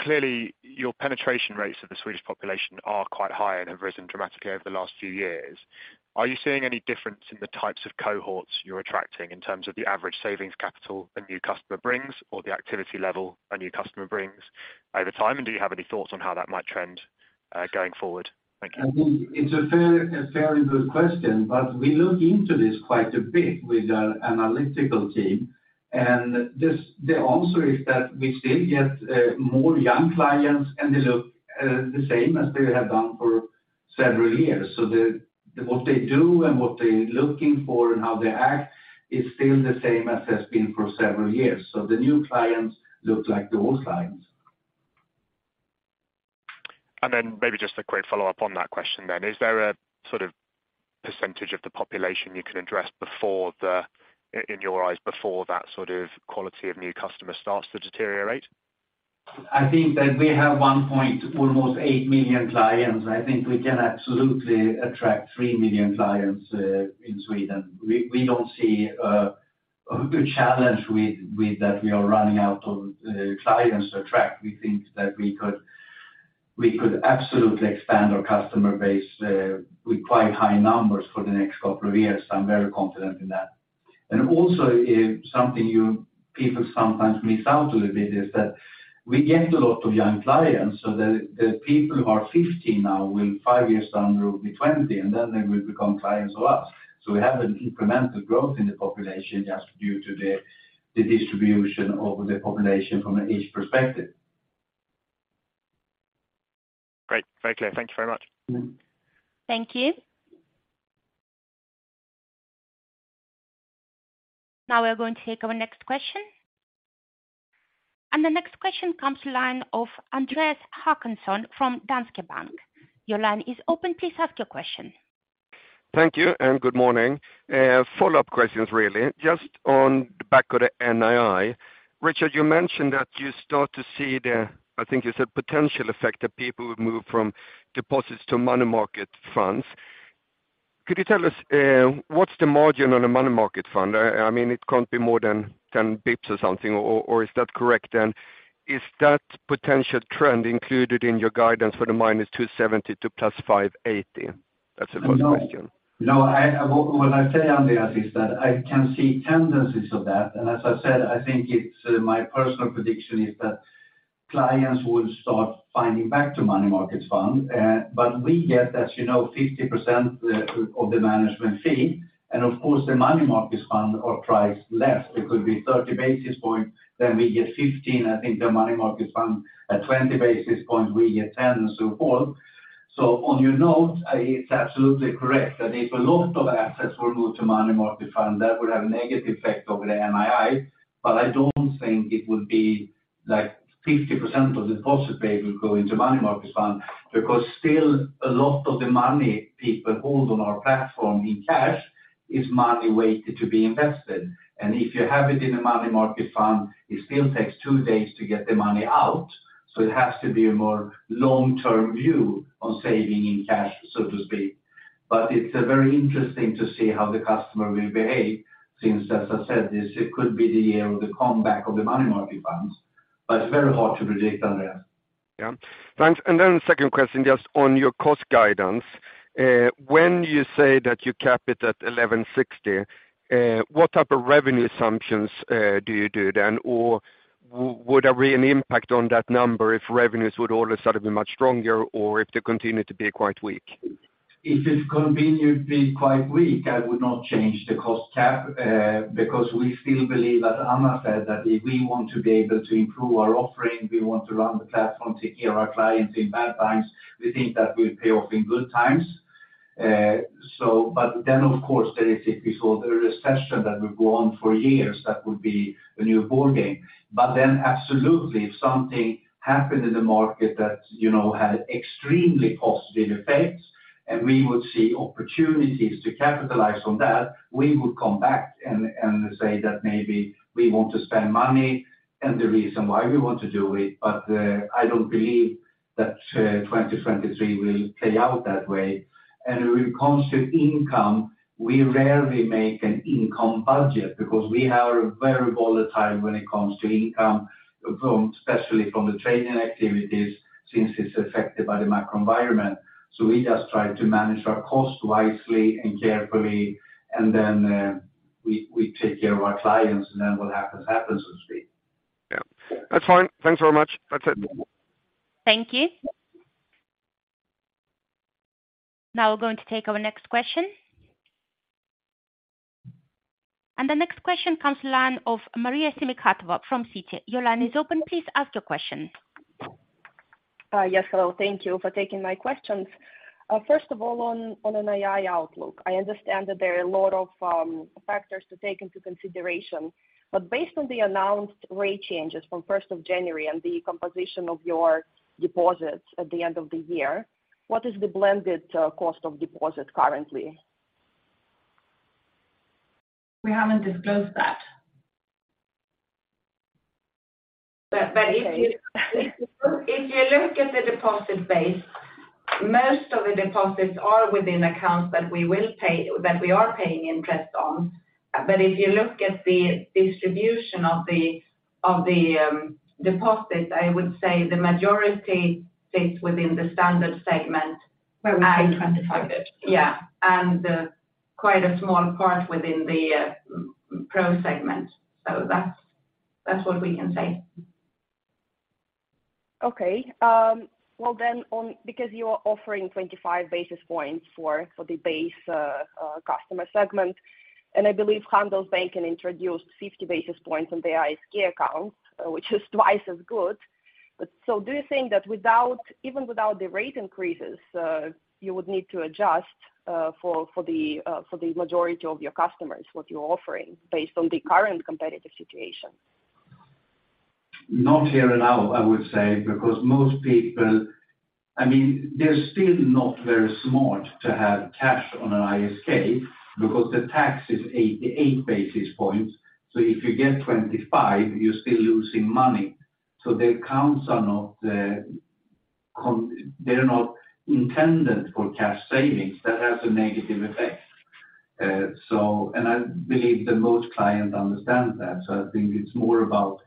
Clearly, your penetration rates of the Swedish population are quite high and have risen dramatically over the last few years. Are you seeing any difference in the types of cohorts you're attracting in terms of the average savings capital a new customer brings or the activity level a new customer brings over time? Do you have any thoughts on how that might trend going forward? Thank you. I think it's a very good question. We look into this quite a bit with our analytical team. The answer is that we still get more young clients, and they look the same as they have done for several years. What they do and what they're looking for and how they act is still the same as has been for several years. The new clients look like the old clients. Maybe just a quick follow-up on that question then. Is there a sort of percentage of the population you can address before In your eyes, before that sort of quality of new customer starts to deteriorate? I think that we have almost 1.8 million clients. I think we can absolutely attract 3 million clients in Sweden. We don't see a good challenge with that we are running out of clients to attract. We think that we could absolutely expand our customer base with quite high numbers for the next couple of years. I'm very confident in that. Also, something you people sometimes miss out a little bit is that we get a lot of young clients. The people who are 50 now will five years down the road be 20, and then they will become clients of us. We have an incremental growth in the population just due to the distribution of the population from an age perspective. Great. Very clear. Thank you very much. Thank you. Now we are going to take our next question. The next question comes line of Andreas Håkansson from Danske Bank. Your line is open. Please ask your question. Thank you. Good morning. Follow-up questions really. Just on the back of the NII. Rikard, you mentioned that you start to see the, I think you said potential effect that people would move from deposits to money market funds. Could you tell us what's the margin on a money market fund? I mean, it can't be more than 10 basis points or something, or is that correct? Is that potential trend included in your guidance for the -270 to +580? That's the first question. No. No. What I say, Andreas, is that I can see tendencies of that. As I said, I think it's my personal prediction is that Clients will start finding back to money market fund. We get, as you know, 50% of the management fee, and of course, the money market fund are priced less. It could be 30 basis points, then we get 15 basis points. I think the money market fund at 20 basis points, we get 10 basis points, and so forth. On your note, it's absolutely correct that if a lot of assets will move to money market fund, that would have a negative effect over the NII. I don't think it would be like 50% of deposit base will go into money market fund. Still, a lot of the money people hold on our platform in cash is money waiting to be invested. If you have it in a money market fund, it still takes two days to get the money out. It has to be a more long-term view on saving in cash, so to speak. It's very interesting to see how the customer will behave since, as I said, it could be the year of the comeback of the money market funds, but it's very hard to predict, Andreas. Yeah. Thanks. Second question, just on your cost guidance. When you say that you cap it at 1,160, what type of revenue assumptions, do you do then? Would there be an impact on that number if revenues would all of a sudden be much stronger or if they continue to be quite weak? If it continue to be quite weak, I would not change the cost cap, because we still believe, as Anna said, that if we want to be able to improve our offering, we want to run the platform, take care of our clients in bad times, we think that will pay off in good times. Of course, there is if we saw a recession that would go on for years, that would be a new ballgame. Absolutely, if something happened in the market that, you know, had extremely positive effects, and we would see opportunities to capitalize on that, we would come back and say that maybe we want to spend money and the reason why we want to do it. I don't believe that 2023 will play out that way. When it comes to income, we rarely make an income budget because we are very volatile when it comes to income from, especially from the trading activities since it's affected by the macro environment. We just try to manage our cost wisely and carefully, and then we take care of our clients, and then what happens, so to speak. Yeah. That's fine. Thanks very much. That's it. Thank you. Now we're going to take our next question. The next question comes the line of Maria Semikhatova from Citi. Your line is open. Please ask your question. Yes. Hello. Thank you for taking my questions. First of all, on an NII outlook, I understand that there are a lot of factors to take into consideration. Based on the announced rate changes from 1st of January and the composition of your deposits at the end of the year, what is the blended cost of deposit currently? We haven't disclosed that. Okay. If you look at the deposit base, most of the deposits are within accounts that we are paying interest on. If you look at the distribution of the deposits, I would say the majority sits within the standard segment. Where we pay 25. Yeah. Quite a small part within the pro segment. That's what we can say. Okay. Well, then because you are offering 25 basis points for the base customer segment, and I believe Handelsbanken introduced 50 basis points on the ISK account, which is twice as good. Do you think that even without the rate increases, you would need to adjust for the majority of your customers what you're offering based on the current competitive situation? Not here and now, I would say, because most people, I mean, they're still not very smart to have cash on an ISK because the tax is 88 basis points. If you get 25, you're still losing money. The accounts are not intended for cash savings. That has a negative effect. I believe that most clients understand that. I think it's more about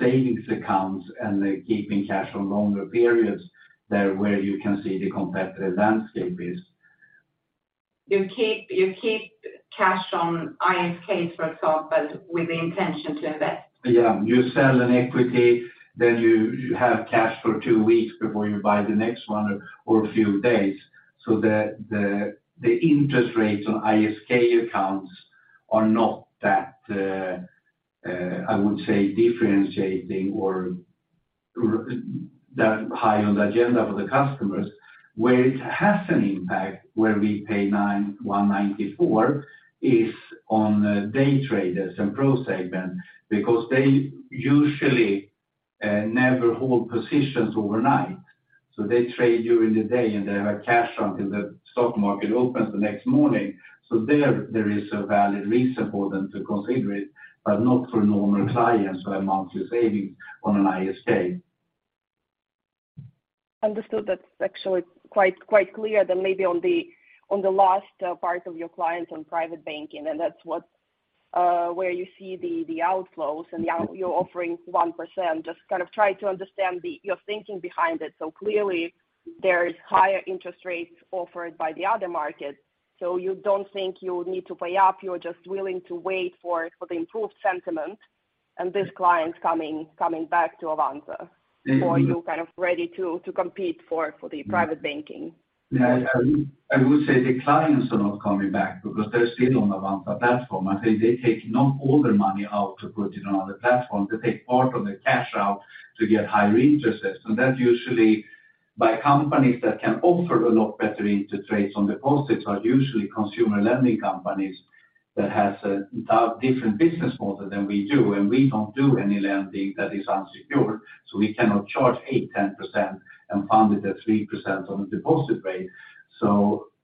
savings accounts and keeping cash on longer periods there where you can see the competitive landscape is. You keep cash on ISK, for example, with the intention to invest. You sell an equity, then you have cash for two weeks before you buy the next one or a few days. The interest rates on ISK accounts are not that, I would say differentiating or that high on the agenda for the customers. Where it has an impact, where we pay 0.9194%, is on day traders and pro segment because they usually never hold positions overnight. They trade during the day, and they have cash until the stock market opens the next morning. There is a valid reason for them to consider it, but not for normal clients who are monthly saving on an ISK. Understood. That's actually quite clear than maybe on the last part of your clients on private banking, and that's what where you see the outflows. You're offering 1%. Just kind of try to understand your thinking behind it. Clearly there is higher interest rates offered by the other markets. You don't think you need to pay up, you're just willing to wait for the improved sentiment and this client coming back to Avanza? Are you kind of ready to compete for the private banking? Yeah. I would say the clients are not coming back because they're still on Avanza platform. I think they take not all their money out to put it on other platform. They take part of the cash out to get higher interests. That usually by companies that can offer a lot better interest rates on deposits are usually consumer lending companies that has a different business model than we do, and we don't do any lending that is unsecured, so we cannot charge 8%, 10% and fund it at 3% on a deposit rate.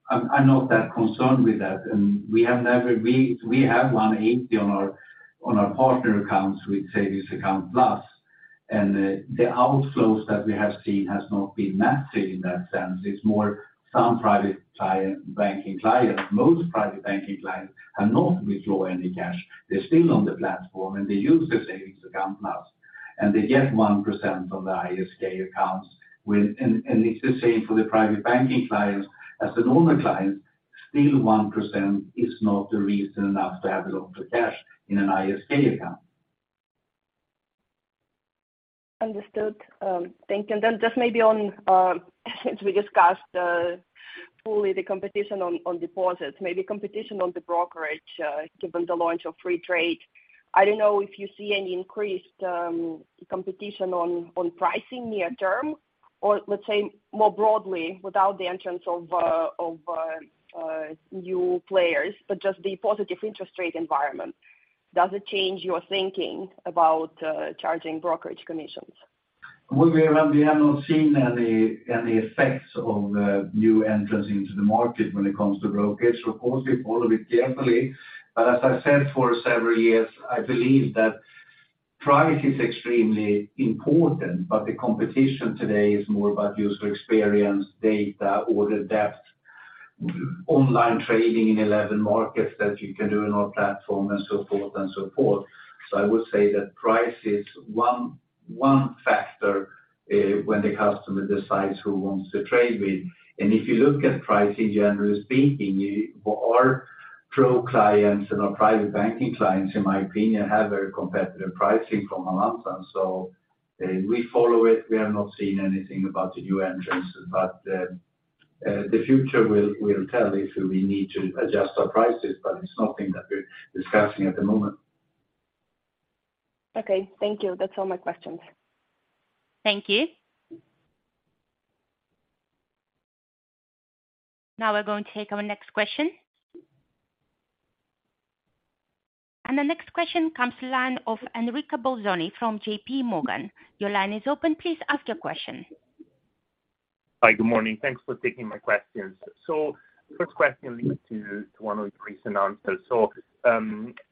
I'm not that concerned with that. We have never. We have one AP on our partner accounts with Savings Account+. The outflows that we have seen has not been massive in that sense. It's more some private banking clients. Most private banking clients have not withdrawn any cash. They are still on the platform. They use the savings account now. They get 1% from the ISK accounts with. It is the same for the private banking clients as the normal client. Still, 1% is not the reason enough to have a lot of cash in an ISK account. Understood. Thank you. Just maybe on since we discussed fully the competition on deposits, maybe competition on the brokerage, given the launch of Freetrade. I don't know if you see any increased competition on pricing near term, or let's say more broadly, without the entrance of new players, but just the positive interest rate environment. Does it change your thinking about charging brokerage commissions? We have not seen any effects of new entrants into the market when it comes to brokerage. Of course, we follow it carefully. As I said for several years, I believe that price is extremely important, but the competition today is more about user experience, data, order depth, online trading in 11 markets that you can do on our platform and so forth. I would say that price is one factor when the customer decides who wants to trade with. If you look at pricing, generally speaking, our pro clients and our private banking clients, in my opinion, have very competitive pricing from Avanza. We follow it. We have not seen anything about the new entrants, but the future will tell if we need to adjust our prices, but it's nothing that we're discussing at the moment. Okay. Thank you. That's all my questions. Thank you. Now we're going to take our next question. The next question comes to line of Enrico Bolzoni from JPMorgan. Your line is open. Please ask your question. Hi, good morning. Thanks for taking my questions. First question leads to one of the recent answers.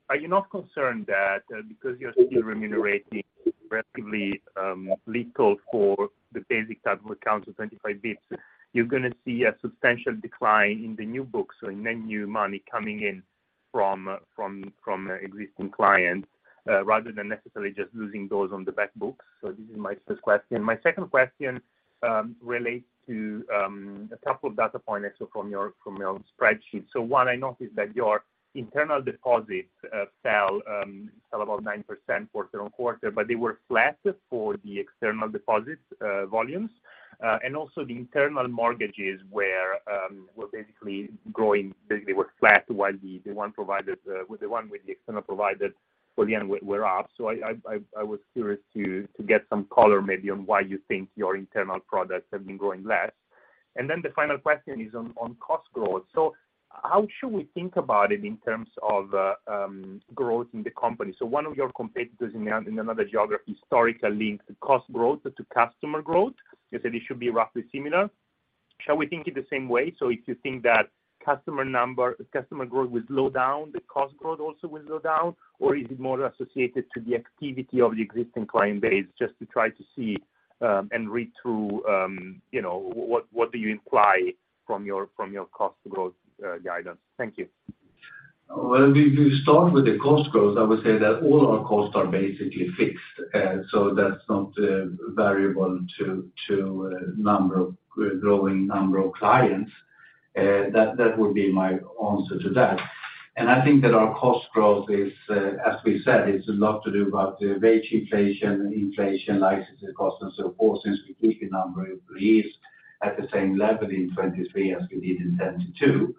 Are you not concerned that because you're still remunerating relatively little for the basic type of accounts of 25 bps, you're gonna see a substantial decline in the new books or in any new money coming in from existing clients, rather than necessarily just losing those on the back books? This is my first question. My second question relates to a couple of data points from your spreadsheets. One, I noticed that your internal deposits fell about 9% quarter-on-quarter, but they were flat for the external deposits volumes. Also the internal mortgages were basically growing. They were flat, while the one provided, the one with the external provided for the end were up. I was curious to get some color maybe on why you think your internal products have been growing less. The final question is on cost growth. How should we think about it in terms of growth in the company? One of your competitors in another geography historically linked cost growth to customer growth. You said it should be roughly similar. Shall we think it the same way? If you think that customer growth will slow down, the cost growth also will slow down? Is it more associated to the activity of the existing client base just to try to see, and read through, you know, what do you imply from your, from your cost growth guidance? Thank you. Well, if you start with the cost growth, I would say that all our costs are basically fixed. so that's not variable to number of growing number of clients. that would be my answer to that. I think that our cost growth is, as we said, it's a lot to do about the wage inflation, licensing costs, and so forth, since we keep the number of employees at the same level in 2023 as we did in 2022.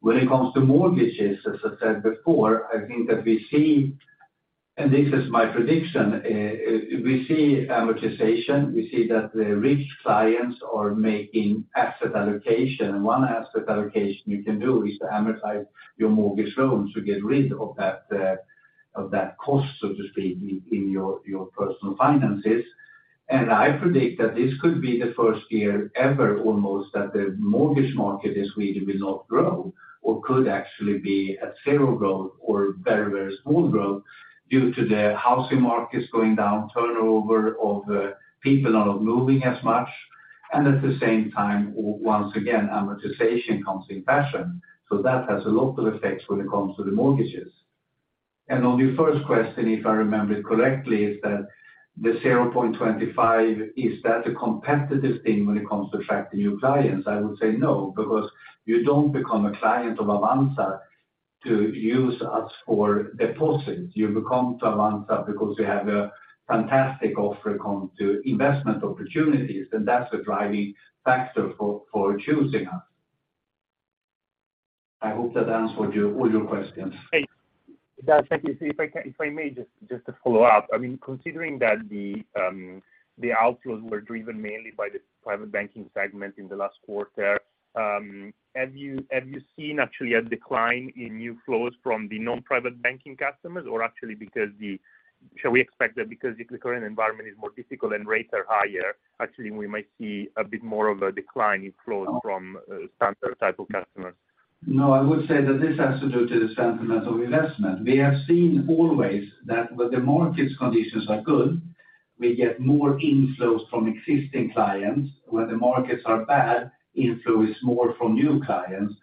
When it comes to mortgages, as I said before, I think that we see. This is my prediction. We see amortization. We see that the rich clients are making asset allocation. One asset allocation you can do is to amortize your mortgage loans to get rid of that cost, so to speak, in your personal finances. I predict that this could be the first year ever, almost, that the mortgage market in Sweden will not grow or could actually be at zero growth or very, very small growth due to the housing markets going down, turnover of people are not moving as much. At the same time, once again, amortization comes in fashion. That has a local effect when it comes to the mortgages. On your first question, if I remember it correctly, is that the 0.25, is that a competitive thing when it comes to attracting new clients? I would say no, because you don't become a client of Avanza to use us for deposits. You become to Avanza because we have a fantastic offer when it comes to investment opportunities, and that's a driving factor for choosing us. I hope that answered all your questions. Thanks. That's it. If I may, just to follow up. I mean, considering that the outflows were driven mainly by the private banking segment in the last quarter, have you seen actually a decline in new flows from the non-private banking customers? Actually, shall we expect that because if the current environment is more difficult and rates are higher, actually, we might see a bit more of a decline in flows from standard type of customers? No, I would say that this has to do to the sentimental investment. We have seen always that when the markets conditions are good, we get more inflows from existing clients. When the markets are bad, inflow is more from new clients.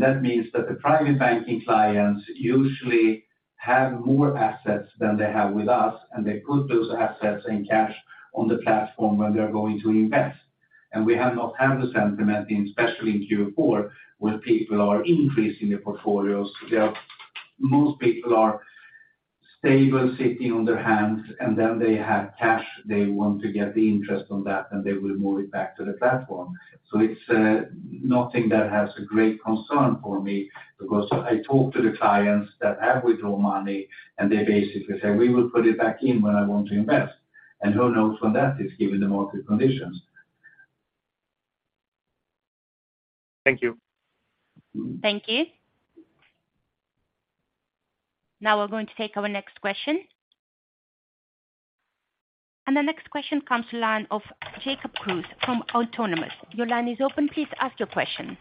That means that the private banking clients usually have more assets than they have with us, and they put those assets in cash on the platform when they're going to invest. We have not had the sentiment, especially in Q4, where people are increasing their portfolios. Most people are stable, sitting on their hands, and then they have cash, they want to get the interest on that, and they will move it back to the platform. It's nothing that has a great concern for me because I talk to the clients that have withdrawn money, and they basically say, "We will put it back in when I want to invest." Who knows when that is given the market conditions. Thank you. Thank you. Now we're going to take our next question. The next question comes to line of [Jakob Cruze] from Autonomous. Your line is open. Please ask your question.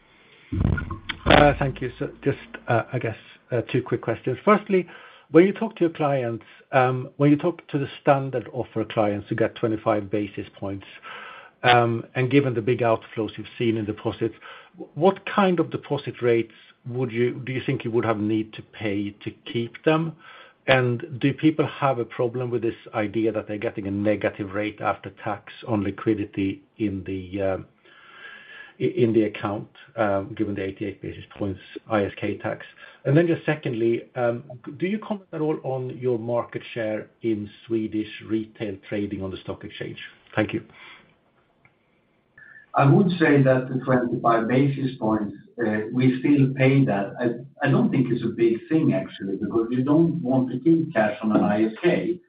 Thank you. Just, I guess, two quick questions. Firstly, when you talk to your clients, when you talk to the standard offer clients who get 25 basis points, and given the big outflows you've seen in deposits, what kind of deposit rates do you think you would have need to pay to keep them? Do people have a problem with this idea that they're getting a negative rate after tax on liquidity in the account, given the 88 basis points ISK tax? Just secondly, do you comment at all on your market share in Swedish retail trading on the stock exchange? Thank you. I would say that the 25 basis points, we still pay that. I don't think it's a big thing actually, because you don't want to keep cash on an ISK.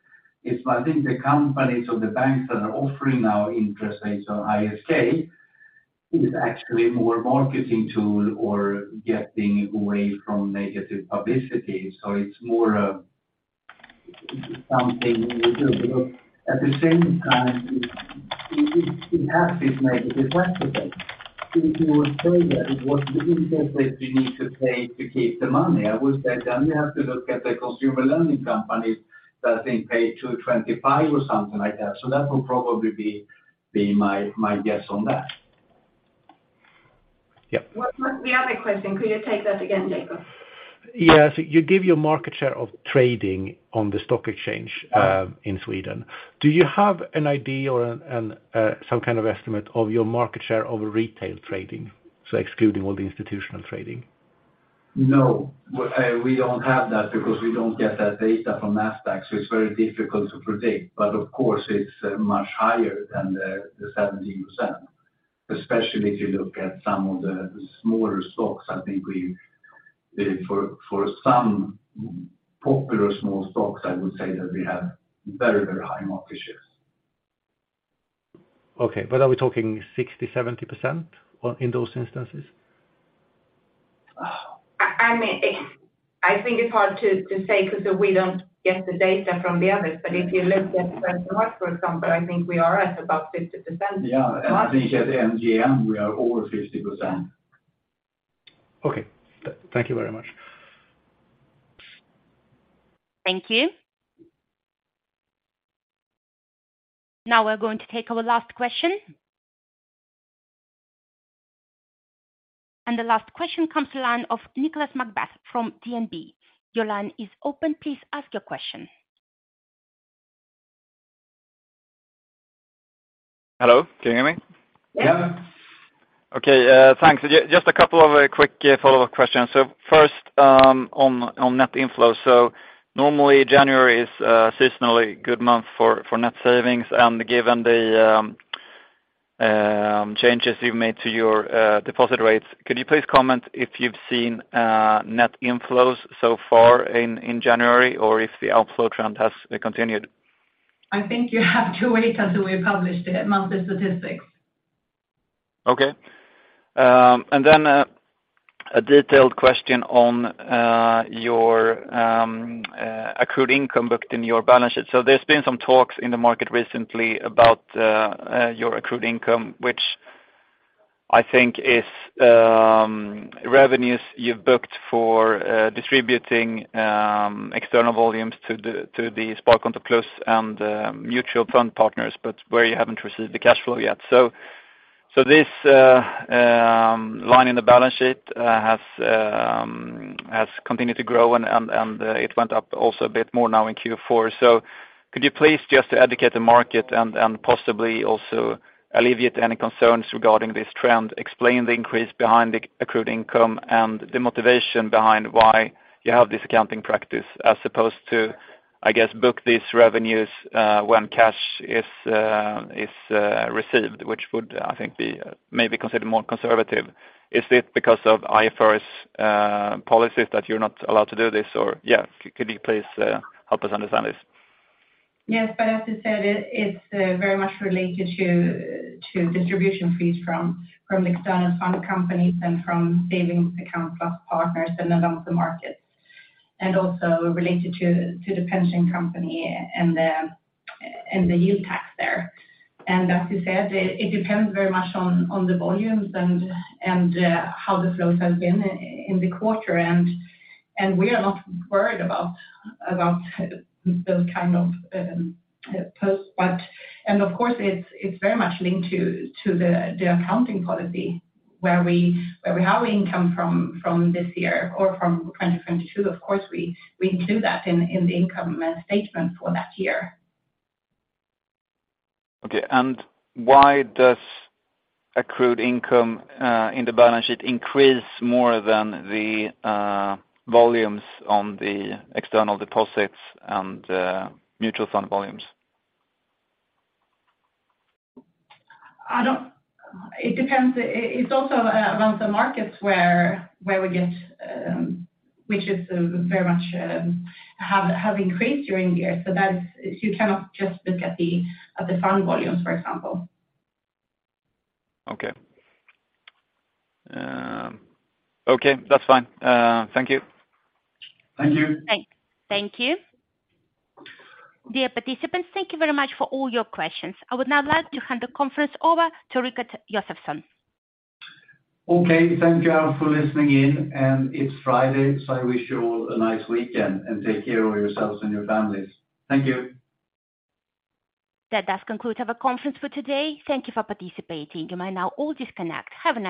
It's I think the companies or the banks that are offering our interest rates on ISK is actually more marketing tool or getting away from negative publicity. It's more something we do. Look, at the same time, it has its negative aspects of it. If you would say that it was the interest that you need to pay to keep the money, I would say then you have to look at the consumer lending companies that I think pay 2.25% or something like that. That would probably be my guess on that. Yeah. What was the other question? Could you take that again, Jakob? Yes. You give your market share of trading on the stock exchange, in Sweden. Do you have an idea or some kind of estimate of your market share over retail trading, so excluding all the institutional trading? No. We, we don't have that because we don't get that data from Nasdaq, so it's very difficult to predict. Of course, it's much higher than the 70%, especially if you look at some of the smaller stocks. I think we, for some popular small stocks, I would say that we have very high market shares. Okay. Are we talking 60%, 70% or in those instances? I mean, I think it's hard to say because we don't get the data from the others. If you look at for example, I think we are at about 50%. Yeah. I think at NGM, we are over 50%. Okay. Thank you very much. Thank you. Now we're going to take our last question. The last question comes to line of Nicolas McBeath from DNB. Your line is open. Please ask your question. Hello? Can you hear me? Yeah. Okay. Thanks. Just a couple of quick follow-up questions. First, on net inflows. Normally January is a seasonally good month for net savings. Given the changes you've made to your deposit rates, could you please comment if you've seen net inflows so far in January, or if the outflow trend has continued? I think you have to wait until we publish the monthly statistics. A detailed question on your accrued income booked in your balance sheet. There's been some talks in the market recently about your accrued income, which I think is revenues you've booked for distributing external volumes to the Sparkonto+ and mutual fund partners, but where you haven't received the cash flow yet. This line in the balance sheet has continued to grow and it went up also a bit more now in Q4.Could you please just educate the market and possibly also alleviate any concerns regarding this trend, explain the increase behind the accrued income and the motivation behind why you have this accounting practice as opposed to, I guess, book these revenues when cash is received, which would, I think, be maybe considered more conservative. Is it because of IFRS policies that you're not allowed to do this? Or, could you please help us understand this? Yes, as I said, it's very much related to distribution fees from external fund companies and from Savings Account+ partners and around the markets, also related to the pension company and the yield tax there. As you said, it depends very much on the volumes and how the flows have been in the quarter. We are not worried about those kind of posts. Of course, it's very much linked to the accounting policy where we have income from this year or from 2022, of course, we include that in the income statement for that year. Okay, why does accrued income in the balance sheet increase more than the volumes on the external deposits and mutual fund volumes? I don't. It depends. It's also around the markets where we get, which is very much have increased during the year. That is. You cannot just look at the fund volumes, for example. Okay. Okay, that's fine. Thank you. Thank you. Thank you. Dear participants, thank you very much for all your questions. I would now like to hand the conference over to Rikard Josefson. Okay, thank you all for listening in. It's Friday, so I wish you all a nice weekend, and take care of yourselves and your families. Thank you. That does conclude our conference for today. Thank you for participating. You may now all disconnect. Have a great day.